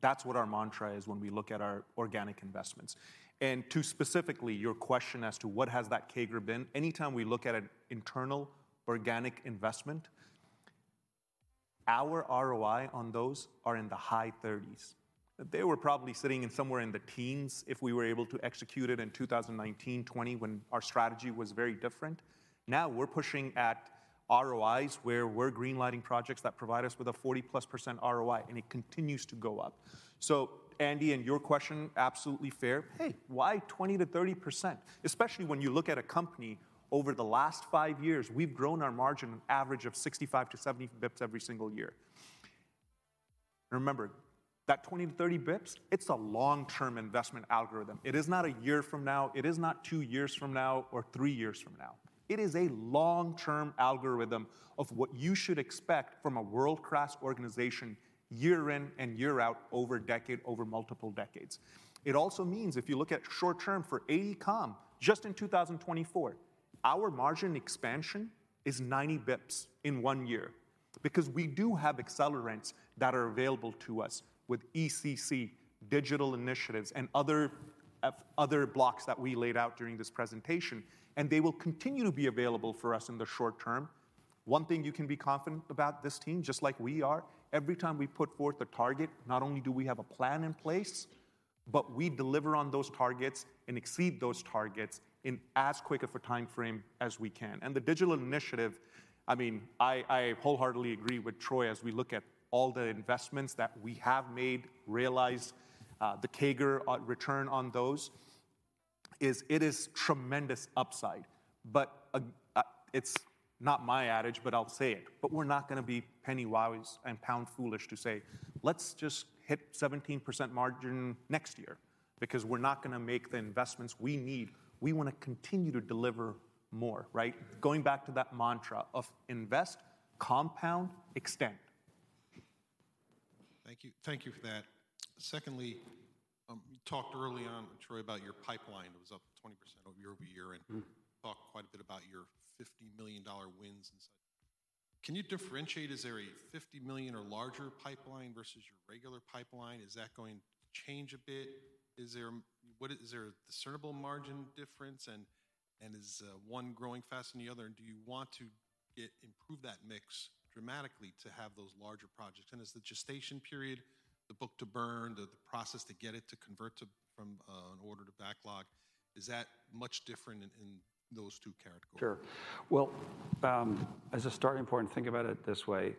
That's what our mantra is when we look at our organic investments. And to specifically your question as to what has that CAGR been, anytime we look at an internal organic investment, our ROI on those are in the high 30s%. They were probably sitting in somewhere in the teens% if we were able to execute it in 2019, 2020, when our strategy was very different. Now, we're pushing at ROIs, where we're green-lighting projects that provide us with a 40+% ROI, and it continues to go up. So, Andy, and your question, absolutely fair. "Hey, why 20%-30%?" Especially when you look at a company, over the last five years, we've grown our margin an average of 65-70 bps every single year.... Remember that 20-30 basis points, it's a long-term investment algorithm. It is not a year from now, it is not 2 years from now or 3 years from now. It is a long-term algorithm of what you should expect from a world-class organization year in and year out, over a decade, over multiple decades. It also means if you look at short term for AECOM, just in 2024, our margin expansion is 90 basis points in 1 year, because we do have accelerants that are available to us with ECC digital initiatives and other blocks that we laid out during this presentation, and they will continue to be available for us in the short term. One thing you can be confident about this team, just like we are, every time we put forth a target, not only do we have a plan in place, but we deliver on those targets and exceed those targets in as quick of a timeframe as we can. And the digital initiative, I mean, I wholeheartedly agree with Troy as we look at all the investments that we have made, realize, the CAGR, return on those is. It is tremendous upside. But, it's not my adage, but I'll say it: But we're not gonna be penny-wise and pound-foolish to say, "Let's just hit 17% margin next year," because we're not gonna make the investments we need. We wanna continue to deliver more, right? Going back to that mantra of Invest, Compound, Extend. Thank you. Thank you for that. Secondly, you talked early on, Troy, about your pipeline. It was up 20% year-over-year- Mm-hmm. and talked quite a bit about your $50 million wins and such. Can you differentiate? Is there a $50 million or larger pipeline versus your regular pipeline? Is that going to change a bit? Is there—what is—Is there a discernible margin difference, and is one growing faster than the other? And do you want to improve that mix dramatically to have those larger projects? And is the gestation period, the book-to-burn, the process to get it to convert from an order to backlog, much different in those two categories? Sure. Well, as a starting point, think about it this way,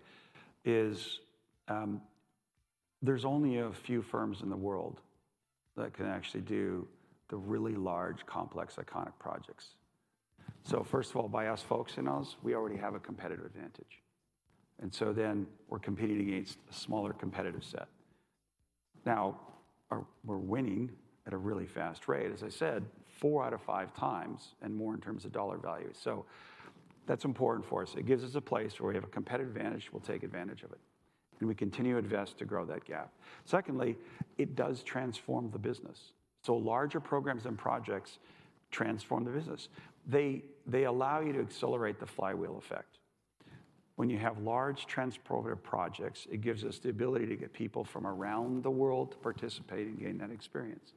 there's only a few firms in the world that can actually do the really large, complex, iconic projects. So first of all, by us focusing on us, we already have a competitive advantage, and so then we're competing against a smaller competitive set. Now, we're winning at a really fast rate, as I said, four out of five times and more in terms of dollar value. So that's important for us. It gives us a place where we have a competitive advantage, we'll take advantage of it, and we continue to invest to grow that gap. Secondly, it does transform the business. So larger programs and projects transform the business. They allow you to accelerate the flywheel effect. When you have large transport projects, it gives us the ability to get people from around the world to participate and gain that experience.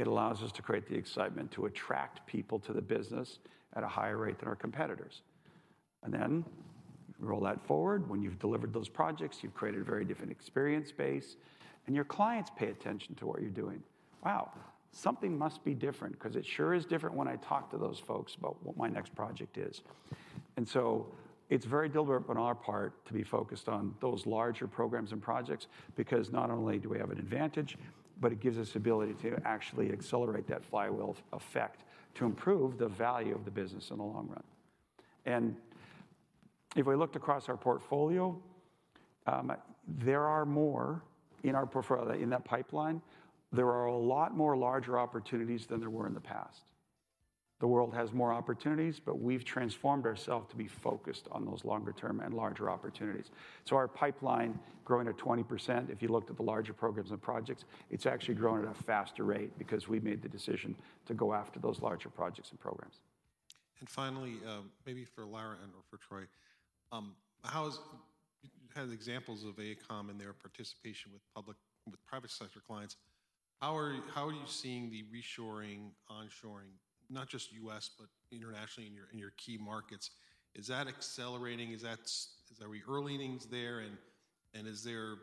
It allows us to create the excitement, to attract people to the business at a higher rate than our competitors. And then roll that forward. When you've delivered those projects, you've created a very different experience base, and your clients pay attention to what you're doing. "Wow, something must be different, 'cause it sure is different when I talk to those folks about what my next project is." And so it's very deliberate on our part to be focused on those larger programs and projects, because not only do we have an advantage, but it gives us the ability to actually accelerate that flywheel effect to improve the value of the business in the long run. If we looked across our portfolio, in that pipeline, there are a lot more larger opportunities than there were in the past. The world has more opportunities, but we've transformed ourselves to be focused on those longer-term and larger opportunities. Our pipeline growing at 20%, if you looked at the larger programs and projects, it's actually growing at a faster rate because we made the decision to go after those larger projects and programs. And finally, maybe for Lara and/or for Troy, how is... You had examples of AECOM and their participation with public and private sector clients. How are you seeing the reshoring, onshoring, not just U.S., but internationally in your key markets? Is that accelerating? Are we hearing any things there? And is there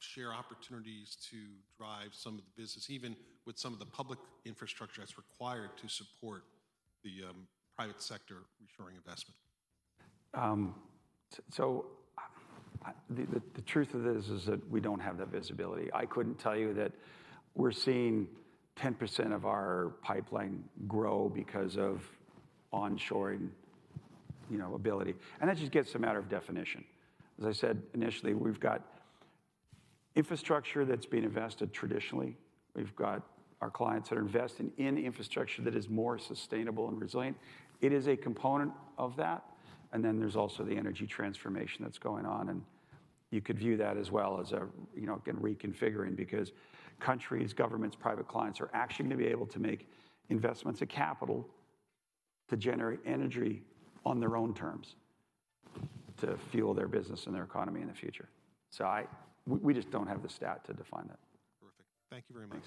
share opportunities to drive some of the business, even with some of the public infrastructure that's required to support the private sector reshoring investment? So the truth of it is that we don't have that visibility. I couldn't tell you that we're seeing 10% of our pipeline grow because of onshoring, you know, ability, and that just gets a matter of definition. As I said, initially, we've got infrastructure that's been invested traditionally. We've got our clients that are investing in infrastructure that is more sustainable and resilient. It is a component of that, and then there's also the energy transformation that's going on, and you could view that as well as a, you know, again, reconfiguring because countries, governments, private clients are actually going to be able to make investments and capital to generate energy on their own terms, to fuel their business and their economy in the future. So we just don't have the stat to define that. Perfect. Thank you very much.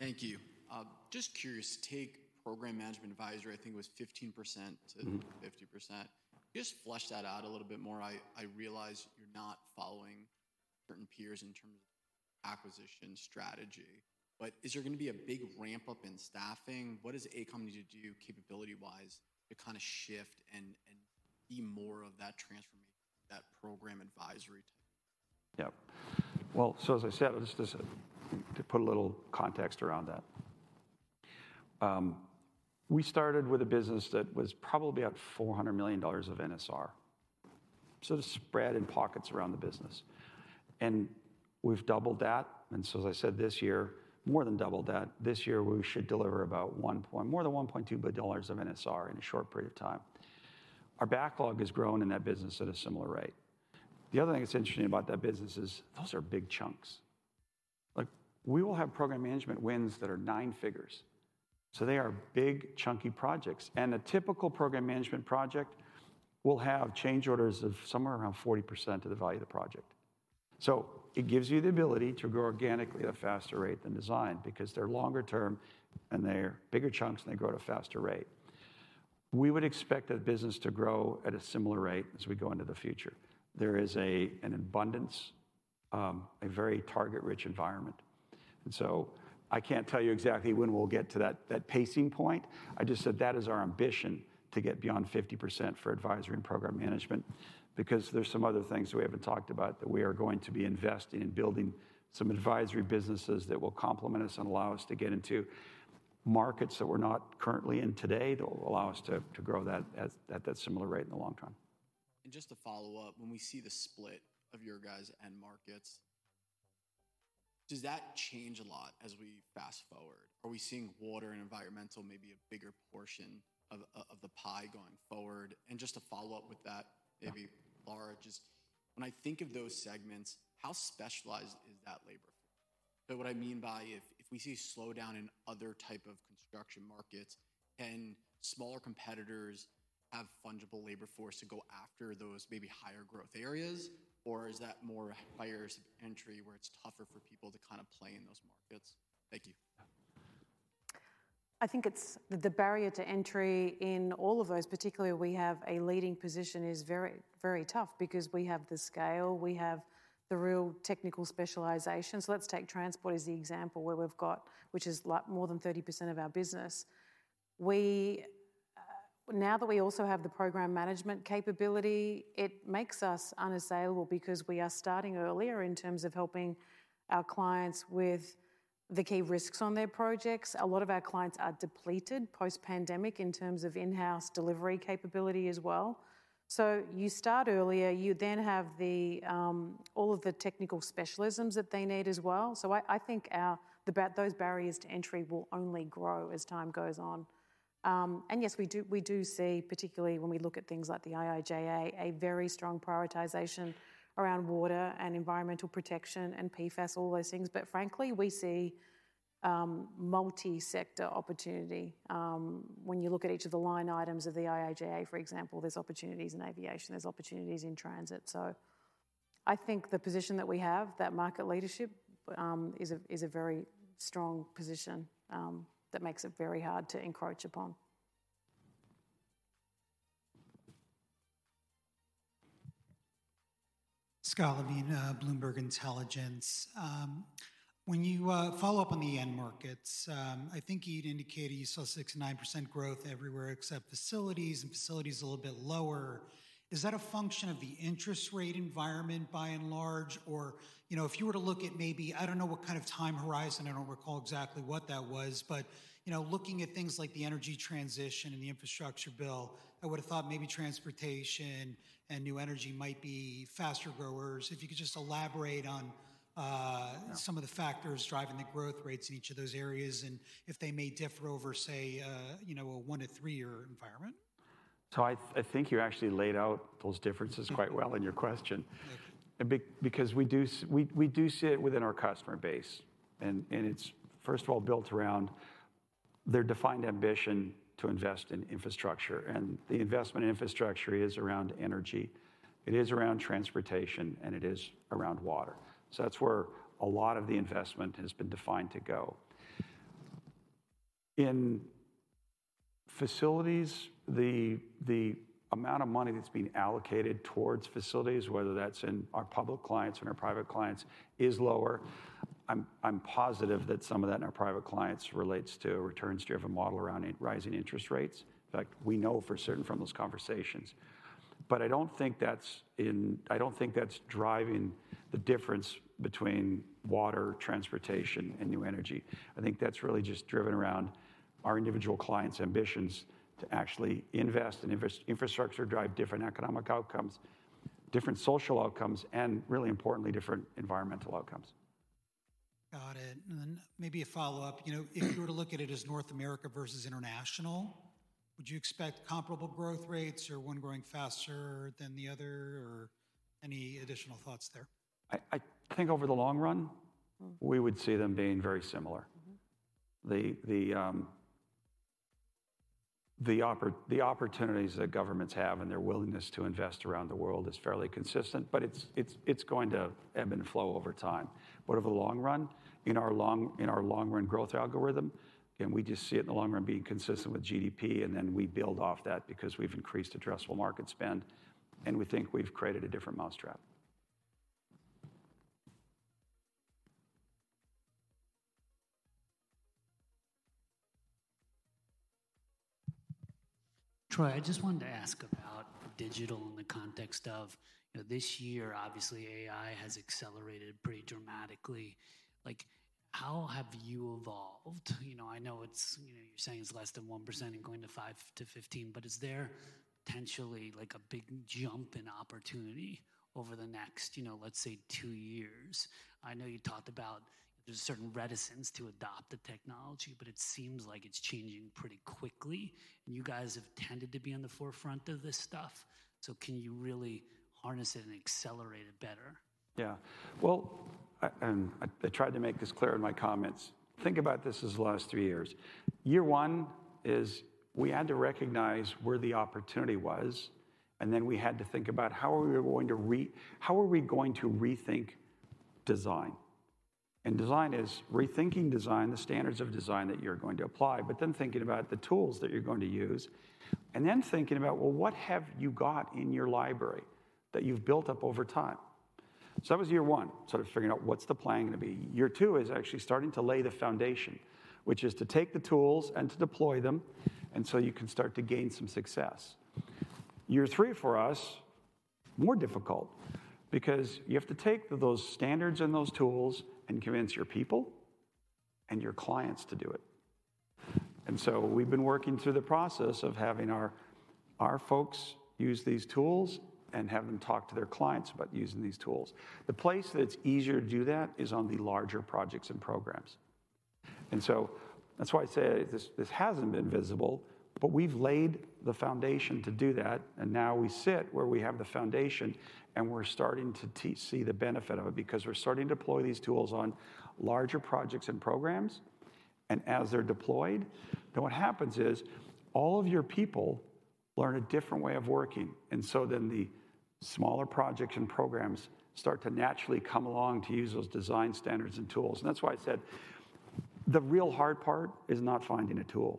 Thank you. Just curious, take program management advisory, I think it was 15%- Mm-hmm. - to 50%. Just flesh that out a little bit more. I, I realize you're not following certain peers in terms of acquisition strategy, but is there going to be a big ramp-up in staffing? What is AECOM going to do capability-wise to kind of shift and-... more of that transformation, that program advisory? Yep. Well, so as I said, just to put a little context around that. We started with a business that was probably about $400 million of NSR, so just spread in pockets around the business, and we've doubled that. And so as I said, this year, more than doubled that. This year, we should deliver about one point more than $1.2 billion of NSR in a short period of time. Our backlog has grown in that business at a similar rate. The other thing that's interesting about that business is those are big chunks. Like, we will have program management wins that are nine figures, so they are big, chunky projects. And a typical program management project will have change orders of somewhere around 40% of the value of the project. So it gives you the ability to grow organically at a faster rate than design because they're longer term and they're bigger chunks, and they grow at a faster rate. We would expect that business to grow at a similar rate as we go into the future. There is an abundance, a very target-rich environment, and so I can't tell you exactly when we'll get to that, that pacing point. I just said that is our ambition to get beyond 50% for advisory and program management because there's some other things we haven't talked about that we are going to be investing in building some advisory businesses that will complement us and allow us to get into markets that we're not currently in today. That will allow us to, to grow that at, at that similar rate in the long term. Just to follow up, when we see the split of your guys' end markets, does that change a lot as we fast-forward? Are we seeing water and environmental may be a bigger portion of the pie going forward? Just to follow up with that, maybe-... Lara, just when I think of those segments, how specialized is that labor? So what I mean by if, if we see a slowdown in other type of construction markets, can smaller competitors have fungible labor force to go after those maybe higher growth areas? Or is that more higher entry, where it's tougher for people to kind of play in those markets? Thank you. I think it's the barrier to entry in all of those, particularly we have a leading position, is very, very tough because we have the scale, we have the real technical specialization. So let's take transport as the example where we've got... which is like more than 30% of our business. We, now that we also have the program management capability, it makes us unassailable because we are starting earlier in terms of helping our clients with the key risks on their projects. A lot of our clients are depleted post-pandemic in terms of in-house delivery capability as well. So you start earlier, you then have all of the technical specialisms that they need as well. So I think our barriers to entry will only grow as time goes on. And yes, we do, we do see, particularly when we look at things like the IIJA, a very strong prioritization around water and environmental protection and PFAS, all those things. But frankly, we see, multi-sector opportunity. When you look at each of the line items of the IIJA, for example, there's opportunities in aviation, there's opportunities in transit. So I think the position that we have, that market leadership, is a, is a very strong position, that makes it very hard to encroach upon. Scott Levine, Bloomberg Intelligence. When you follow up on the end markets, I think you'd indicated you saw 6%-9% growth everywhere except facilities, and facilities a little bit lower. Is that a function of the interest rate environment, by and large? Or, you know, if you were to look at maybe... I don't know what kind of time horizon, I don't recall exactly what that was, but, you know, looking at things like the energy transition and the infrastructure bill, I would've thought maybe transportation and new energy might be faster growers. If you could just elaborate on, Yeah... some of the factors driving the growth rates in each of those areas, and if they may differ over, say, you know, a 1-3-year environment. I think you actually laid out those differences quite well in your question. Okay. Because we do see it within our customer base, and it's, first of all, built around their defined ambition to invest in infrastructure, and the investment in infrastructure is around energy, it is around transportation, and it is around water. So that's where a lot of the investment has been defined to go. In facilities, the amount of money that's been allocated towards facilities, whether that's in our public clients and our private clients, is lower. I'm positive that some of that in our private clients relates to a return-driven model around rising interest rates. In fact, we know for certain from those conversations. But I don't think that's driving the difference between water, transportation, and new energy. I think that's really just driven around our individual clients' ambitions to actually invest in infrastructure, drive different economic outcomes, different social outcomes, and really importantly, different environmental outcomes. Got it. And then maybe a follow-up. You know, if you were to look at it as North America versus international, would you expect comparable growth rates or one growing faster than the other, or any additional thoughts there? I think over the long run- Mm-hmm.... we would see them being very similar. Mm-hmm. The opportunities that governments have and their willingness to invest around the world is fairly consistent, but it's going to ebb and flow over time. But over the long run, in our long-run growth algorithm, and we just see it in the long run being consistent with GDP, and then we build off that because we've increased addressable market spend, and we think we've created a different mousetrap. ... Troy, I just wanted to ask about digital in the context of, you know, this year, obviously, AI has accelerated pretty dramatically. Like, how have you evolved? You know, I know it's, you know, you're saying it's less than 1% and going to 5%-15%, but is there potentially like a big jump in opportunity over the next, you know, let's say two years? I know you talked about there's a certain reticence to adopt the technology, but it seems like it's changing pretty quickly, and you guys have tended to be on the forefront of this stuff. So can you really harness it and accelerate it better? Yeah. Well, and I, I tried to make this clear in my comments. Think about this as the last three years. Year one is we had to recognize where the opportunity was, and then we had to think about how are we going to rethink design? And design is rethinking design, the standards of design that you're going to apply, but then thinking about the tools that you're going to use, and then thinking about, well, what have you got in your library that you've built up over time? So that was year one, sort of figuring out what's the plan gonna be. Year two is actually starting to lay the foundation, which is to take the tools and to deploy them, and so you can start to gain some success. Year three for us, more difficult, because you have to take those standards and those tools and convince your people and your clients to do it. And so we've been working through the process of having our folks use these tools and have them talk to their clients about using these tools. The place that it's easier to do that is on the larger projects and programs. And so that's why I say this, this hasn't been visible, but we've laid the foundation to do that, and now we sit where we have the foundation, and we're starting to see the benefit of it. Because we're starting to deploy these tools on larger projects and programs, and as they're deployed, then what happens is all of your people learn a different way of working, and so then the smaller projects and programs start to naturally come along to use those design standards and tools. That's why I said the real hard part is not finding a tool.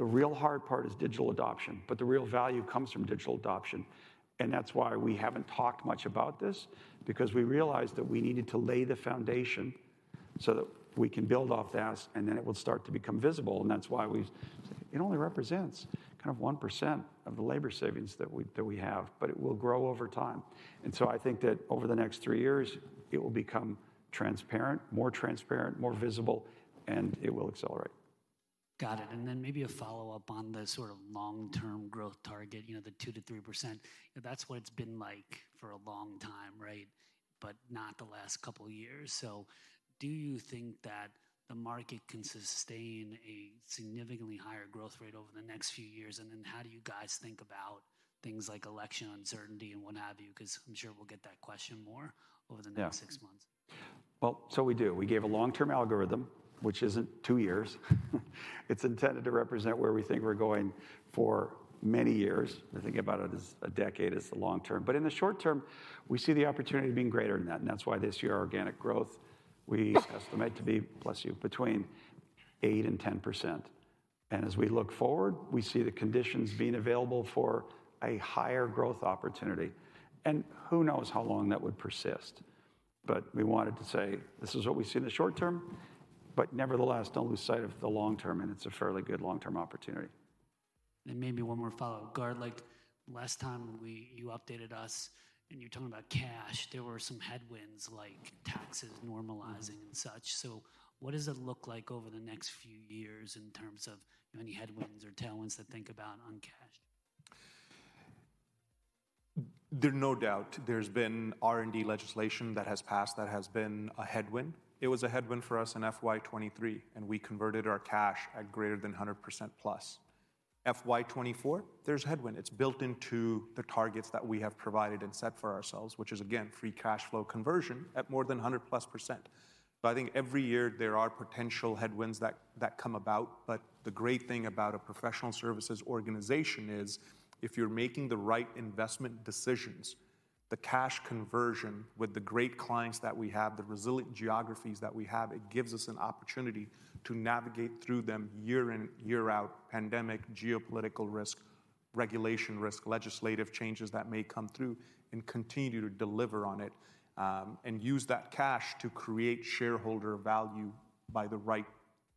The real hard part is digital adoption, but the real value comes from digital adoption, and that's why we haven't talked much about this because we realized that we needed to lay the foundation so that we can build off that, and then it will start to become visible. That's why we, it only represents kind of 1% of the labor savings that we, that we have, but it will grow over time. I think that over the next three years, it will become transparent, more transparent, more visible, and it will accelerate. Got it, and then maybe a follow-up on the sort of long-term growth target, you know, the 2%-3%. That's what it's been like for a long time, right? But not the last couple of years. So do you think that the market can sustain a significantly higher growth rate over the next few years? And then how do you guys think about things like election uncertainty and what have you? Because I'm sure we'll get that question more- Yeah... over the next six months. Well, so we do. We gave a long-term algorithm, which isn't two years. It's intended to represent where we think we're going for many years. I think about it as a decade is the long term. But in the short term, we see the opportunity being greater than that, and that's why this year, organic growth, we estimate to be, bless you, between 8% and 10%. And as we look forward, we see the conditions being available for a higher growth opportunity. And who knows how long that would persist? But we wanted to say: This is what we see in the short term, but nevertheless, don't lose sight of the long term, and it's a fairly good long-term opportunity. Maybe one more follow-up. Gaurav, like, last time we-- you updated us and you were talking about cash, there were some headwinds like taxes normalizing and such. So what does it look like over the next few years in terms of any headwinds or tailwinds to think about on cash? There's no doubt, there's been R&D legislation that has passed that has been a headwind. It was a headwind for us in FY 2023, and we converted our cash at greater than 100%+. FY 2024, there's headwind. It's built into the targets that we have provided and set for ourselves, which is again, free cash flow conversion at more than 100%+. But I think every year there are potential headwinds that come about. But the great thing about a professional services organization is, if you're making the right investment decisions, the cash conversion with the great clients that we have, the resilient geographies that we have, it gives us an opportunity to navigate through them year in, year out, pandemic, geopolitical risk, regulation risk, legislative changes that may come through, and continue to deliver on it, and use that cash to create shareholder value by the right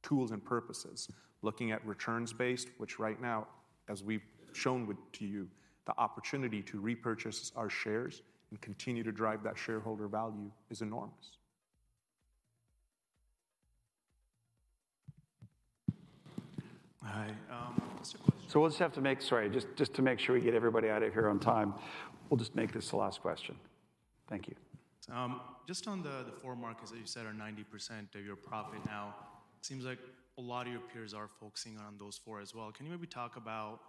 tools and purposes. Looking at returns-based, which right now, as we've shown with to you, the opportunity to repurchase our shares and continue to drive that shareholder value is enormous. Hi, what's your question? Sorry, just to make sure we get everybody out of here on time, we'll just make this the last question. Thank you. Just on the, the four markets that you said are 90% of your profit now, it seems like a lot of your peers are focusing on those four as well. Can you maybe talk about,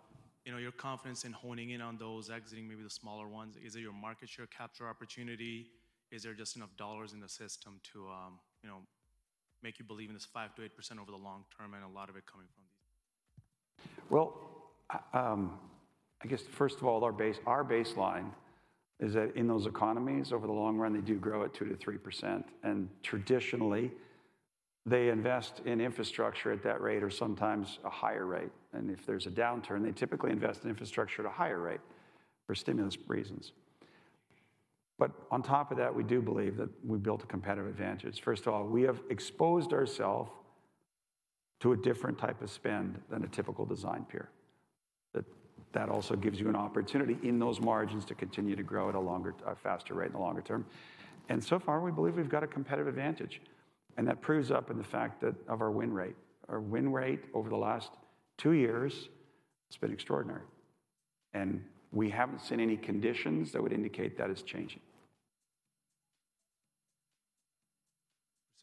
you know, your confidence in honing in on those, exiting maybe the smaller ones? Is it your market share capture opportunity? Is there just enough dollars in the system to, you know, make you believe in this 5%-8% over the long term, and a lot of it coming from these? Well, I guess first of all, our baseline is that in those economies, over the long run, they do grow at 2%-3%, and traditionally, they invest in infrastructure at that rate or sometimes a higher rate. And if there's a downturn, they typically invest in infrastructure at a higher rate for stimulus reasons. But on top of that, we do believe that we've built a competitive advantage. First of all, we have exposed ourself to a different type of spend than a typical design peer. That also gives you an opportunity in those margins to continue to grow at a faster rate in the longer term. And so far, we believe we've got a competitive advantage, and that proves up in the fact that of our win rate. Our win rate over the last two years, it's been extraordinary, and we haven't seen any conditions that would indicate that it's changing.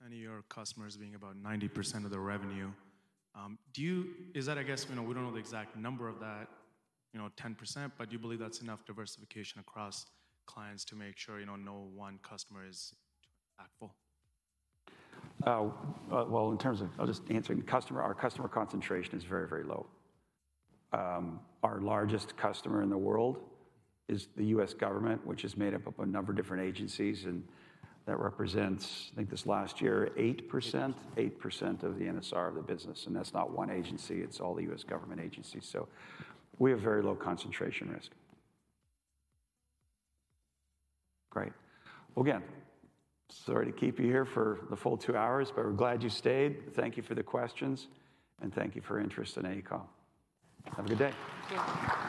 90% of your customers being about 90% of the revenue, do you? Is that, I guess, you know, we don't know the exact number of that, you know, 10%, but do you believe that's enough diversification across clients to make sure, you know, no one customer is impactful? Well, in terms of, I'll just answer in customer, our customer concentration is very, very low. Our largest customer in the world is the U.S. government, which is made up of a number of different agencies, and that represents, I think, this last year, 8%? 8%. 8% of the NSR of the business, and that's not one agency, it's all the U.S. government agencies. So we have very low concentration risk. Great. Well, again, sorry to keep you here for the full 2 hours, but we're glad you stayed. Thank you for the questions, and thank you for your interest in AECOM. Have a good day.